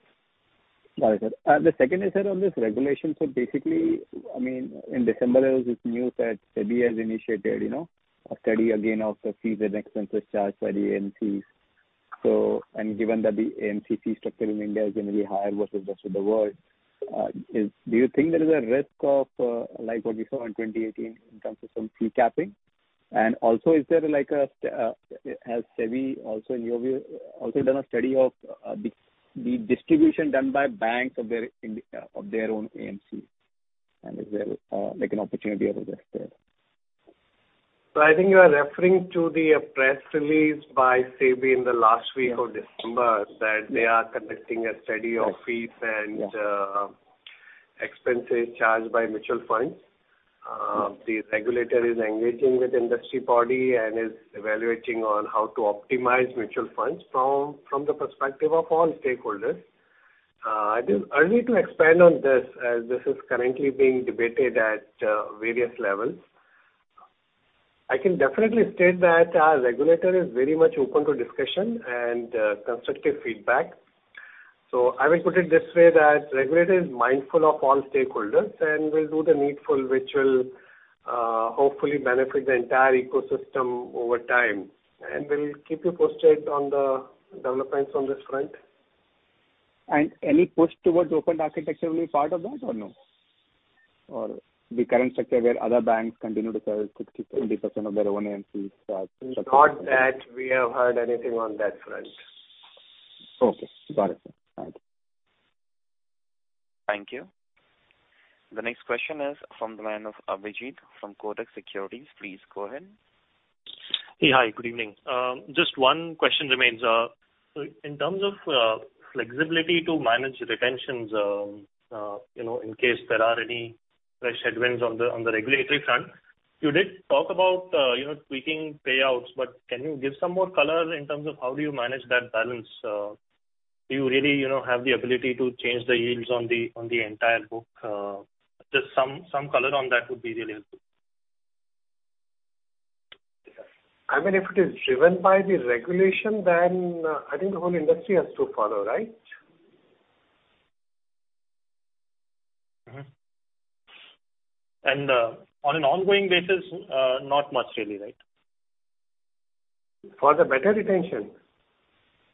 Got it, sir. The second is that on this regulation. Basically, I mean, in December it was this news that SEBI has initiated, you know, a study again of the fees and expenses charged by the AMCs. Given that the AMC fee structure in India is gonna be higher versus rest of the world, is, do you think there is a risk of, like what we saw in 2018 in terms of some fee capping? Also is there like a, has SEBI also in your view, also done a study of, the distribution done by banks of their of their own AMC and is there, like an opportunity or risk there? I think you are referring to the press release by SEBI in the last week of December that they are conducting a study of fees and expenses charged by mutual funds. The regulator is engaging with industry body and is evaluating on how to optimize mutual funds from the perspective of all stakeholders. I think early to expand on this as this is currently being debated at various levels. I can definitely state that our regulator is very much open to discussion and constructive feedback. I will put it this way that regulator is mindful of all stakeholders and will do the needful, which will hopefully benefit the entire ecosystem over time. We'll keep you posted on the developments on this front. Any push towards open architecture will be part of that or no? The current structure where other banks continue to keep 20% of their own AMCs charged? Not that we have heard anything on that front. Okay. Got it, sir. Thank you. Thank you. The next question is from the line of Abhijit from Kotak Securities. Please go ahead. Yeah. Hi, good evening. Just one question remains. In terms of flexibility to manage retentions, you know, in case there are any fresh headwinds on the regulatory front, you did talk about, you know, tweaking payouts, but can you give some more color in terms of how do you manage that balance? Do you really, you know, have the ability to change the yields on the entire book? Just some color on that would be really helpful. I mean, if it is driven by the regulation then I think the whole industry has to follow, right? Mm-hmm. On an ongoing basis, not much really, right? For the better retention?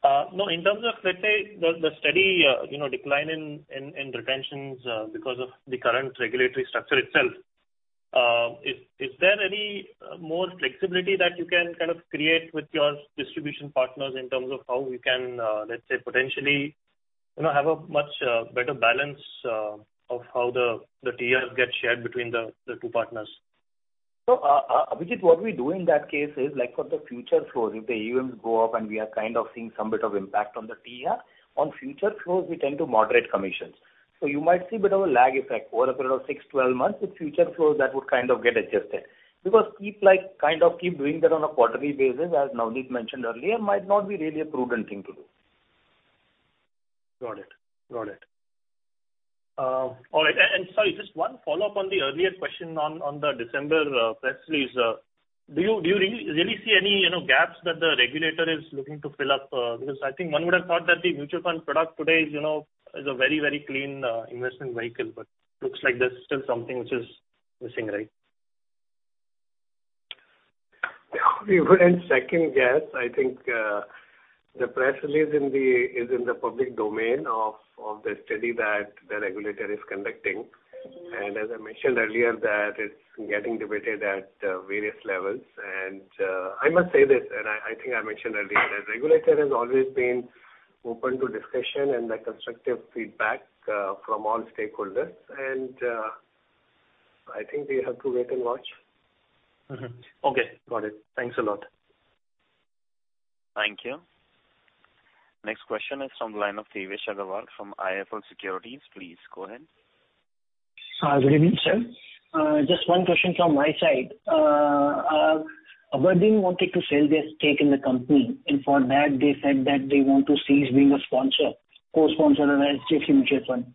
No, in terms of, let's say the steady, you know, decline in retentions, because of the current regulatory structure itself. Is there any more flexibility that you can kind of create with your distribution partners in terms of how we can, let's say potentially, you know, have a much better balance of how the TR gets shared between the two partners? Abhijit, what we do in that case is like for the future flows, if the AUMs go up and we are kind of seeing some bit of impact on the TR, on future flows we tend to moderate commissions. You might see a bit of a lag effect. Over a period of 6, 12 months with future flows that would kind of get adjusted. Keep like, kind of keep doing that on a quarterly basis, as Navneet mentioned earlier, might not be really a prudent thing to do. Got it. Got it. All right. Sorry, just one follow-up on the earlier question on the December press release. Do you really see any, you know, gaps that the regulator is looking to fill up? Because I think one would have thought that the mutual fund product today is, you know, is a very, very clean investment vehicle. Looks like there's still something which is missing, right? We wouldn't second-guess. I think, the press release is in the public domain of the study that the regulator is conducting. As I mentioned earlier, that it's getting debated at various levels. I must say this, I think I mentioned earlier, the regulator has always been open to discussion and the constructive feedback from all stakeholders. I think we have to wait and watch. Mm-hmm. Okay. Got it. Thanks a lot. Thank you. Next question is from the line of Devesh Agarwal from IIFL Securities. Please go ahead. Good evening, sir. Just one question from my side. abrdn wanted to sell their stake in the company and for that they said that they want to cease being a sponsor, co-sponsor in HDFC Mutual Fund.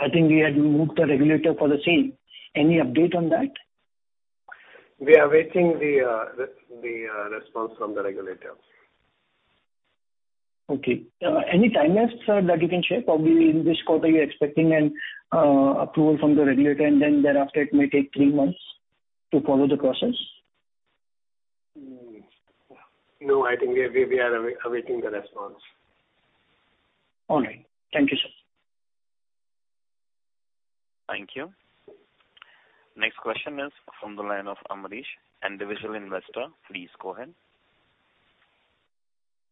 I think we had moved the regulator for the same. Any update on that? We are awaiting the response from the regulator. Okay. Any timelines, sir, that you can share? Probably in this quarter you're expecting an approval from the regulator thereafter it may take 3 months to follow the process? No, I think we are awaiting the response. All right. Thank you, sir. Thank you. Next question is from the line of Amaresh, individual investor. Please go ahead.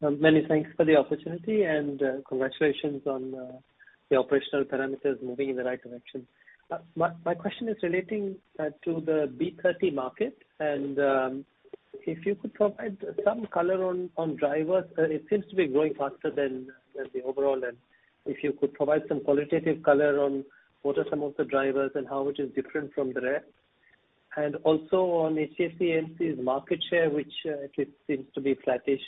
Many thanks for the opportunity and congratulations on the operational parameters moving in the right direction. My question is relating to the B30 market and if you could provide some color on drivers. It seems to be growing faster than the overall and if you could provide some qualitative color on what are some of the drivers and how it is different from the rest. Also on HDFC AMC's market share, which it seems to be flattish.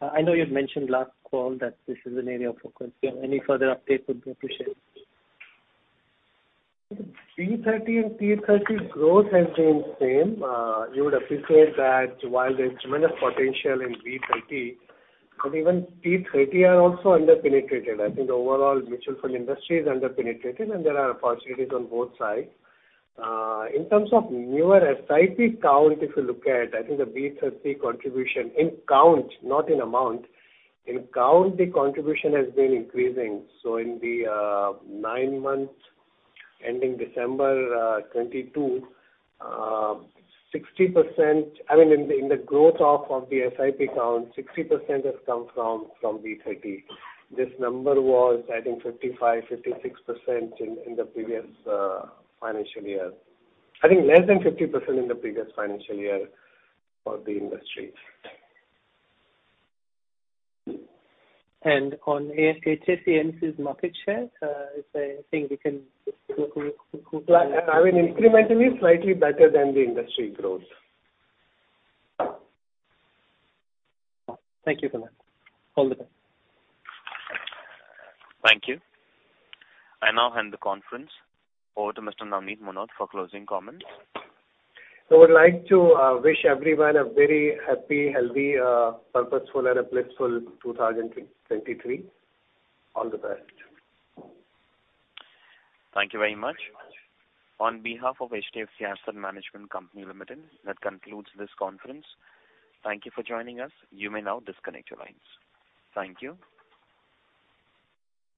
I know you'd mentioned last call that this is an area of focus. Any further update would be appreciated. B30 and T30 growth has been same. You would appreciate that while there's tremendous potential in B30 but even T30 are also under-penetrated. I think the overall mutual fund industry is under-penetrated and there are opportunities on both sides. In terms of newer SIP count, if you look at I think the B30 contribution in count, not in amount, in count the contribution has been increasing. In the nine months ending December 2022, 60%, I mean in the growth of the SIP count, 60% has come from B30. This number was I think 55%-56% in the previous financial year. I think less than 50% in the previous financial year for the industry. On HDFC AMC's market share, is there anything we can look? I mean, incrementally slightly better than the industry growth. Thank you so much. All the best. Thank you. I now hand the conference over to Mr. Navneet Munot for closing comments. I would like to wish everyone a very happy, healthy, purposeful and a blissful 2023. All the best. Thank you very much. On behalf of HDFC Asset Management Company Limited, that concludes this conference. Thank you for joining us. You may now disconnect your lines. Thank you.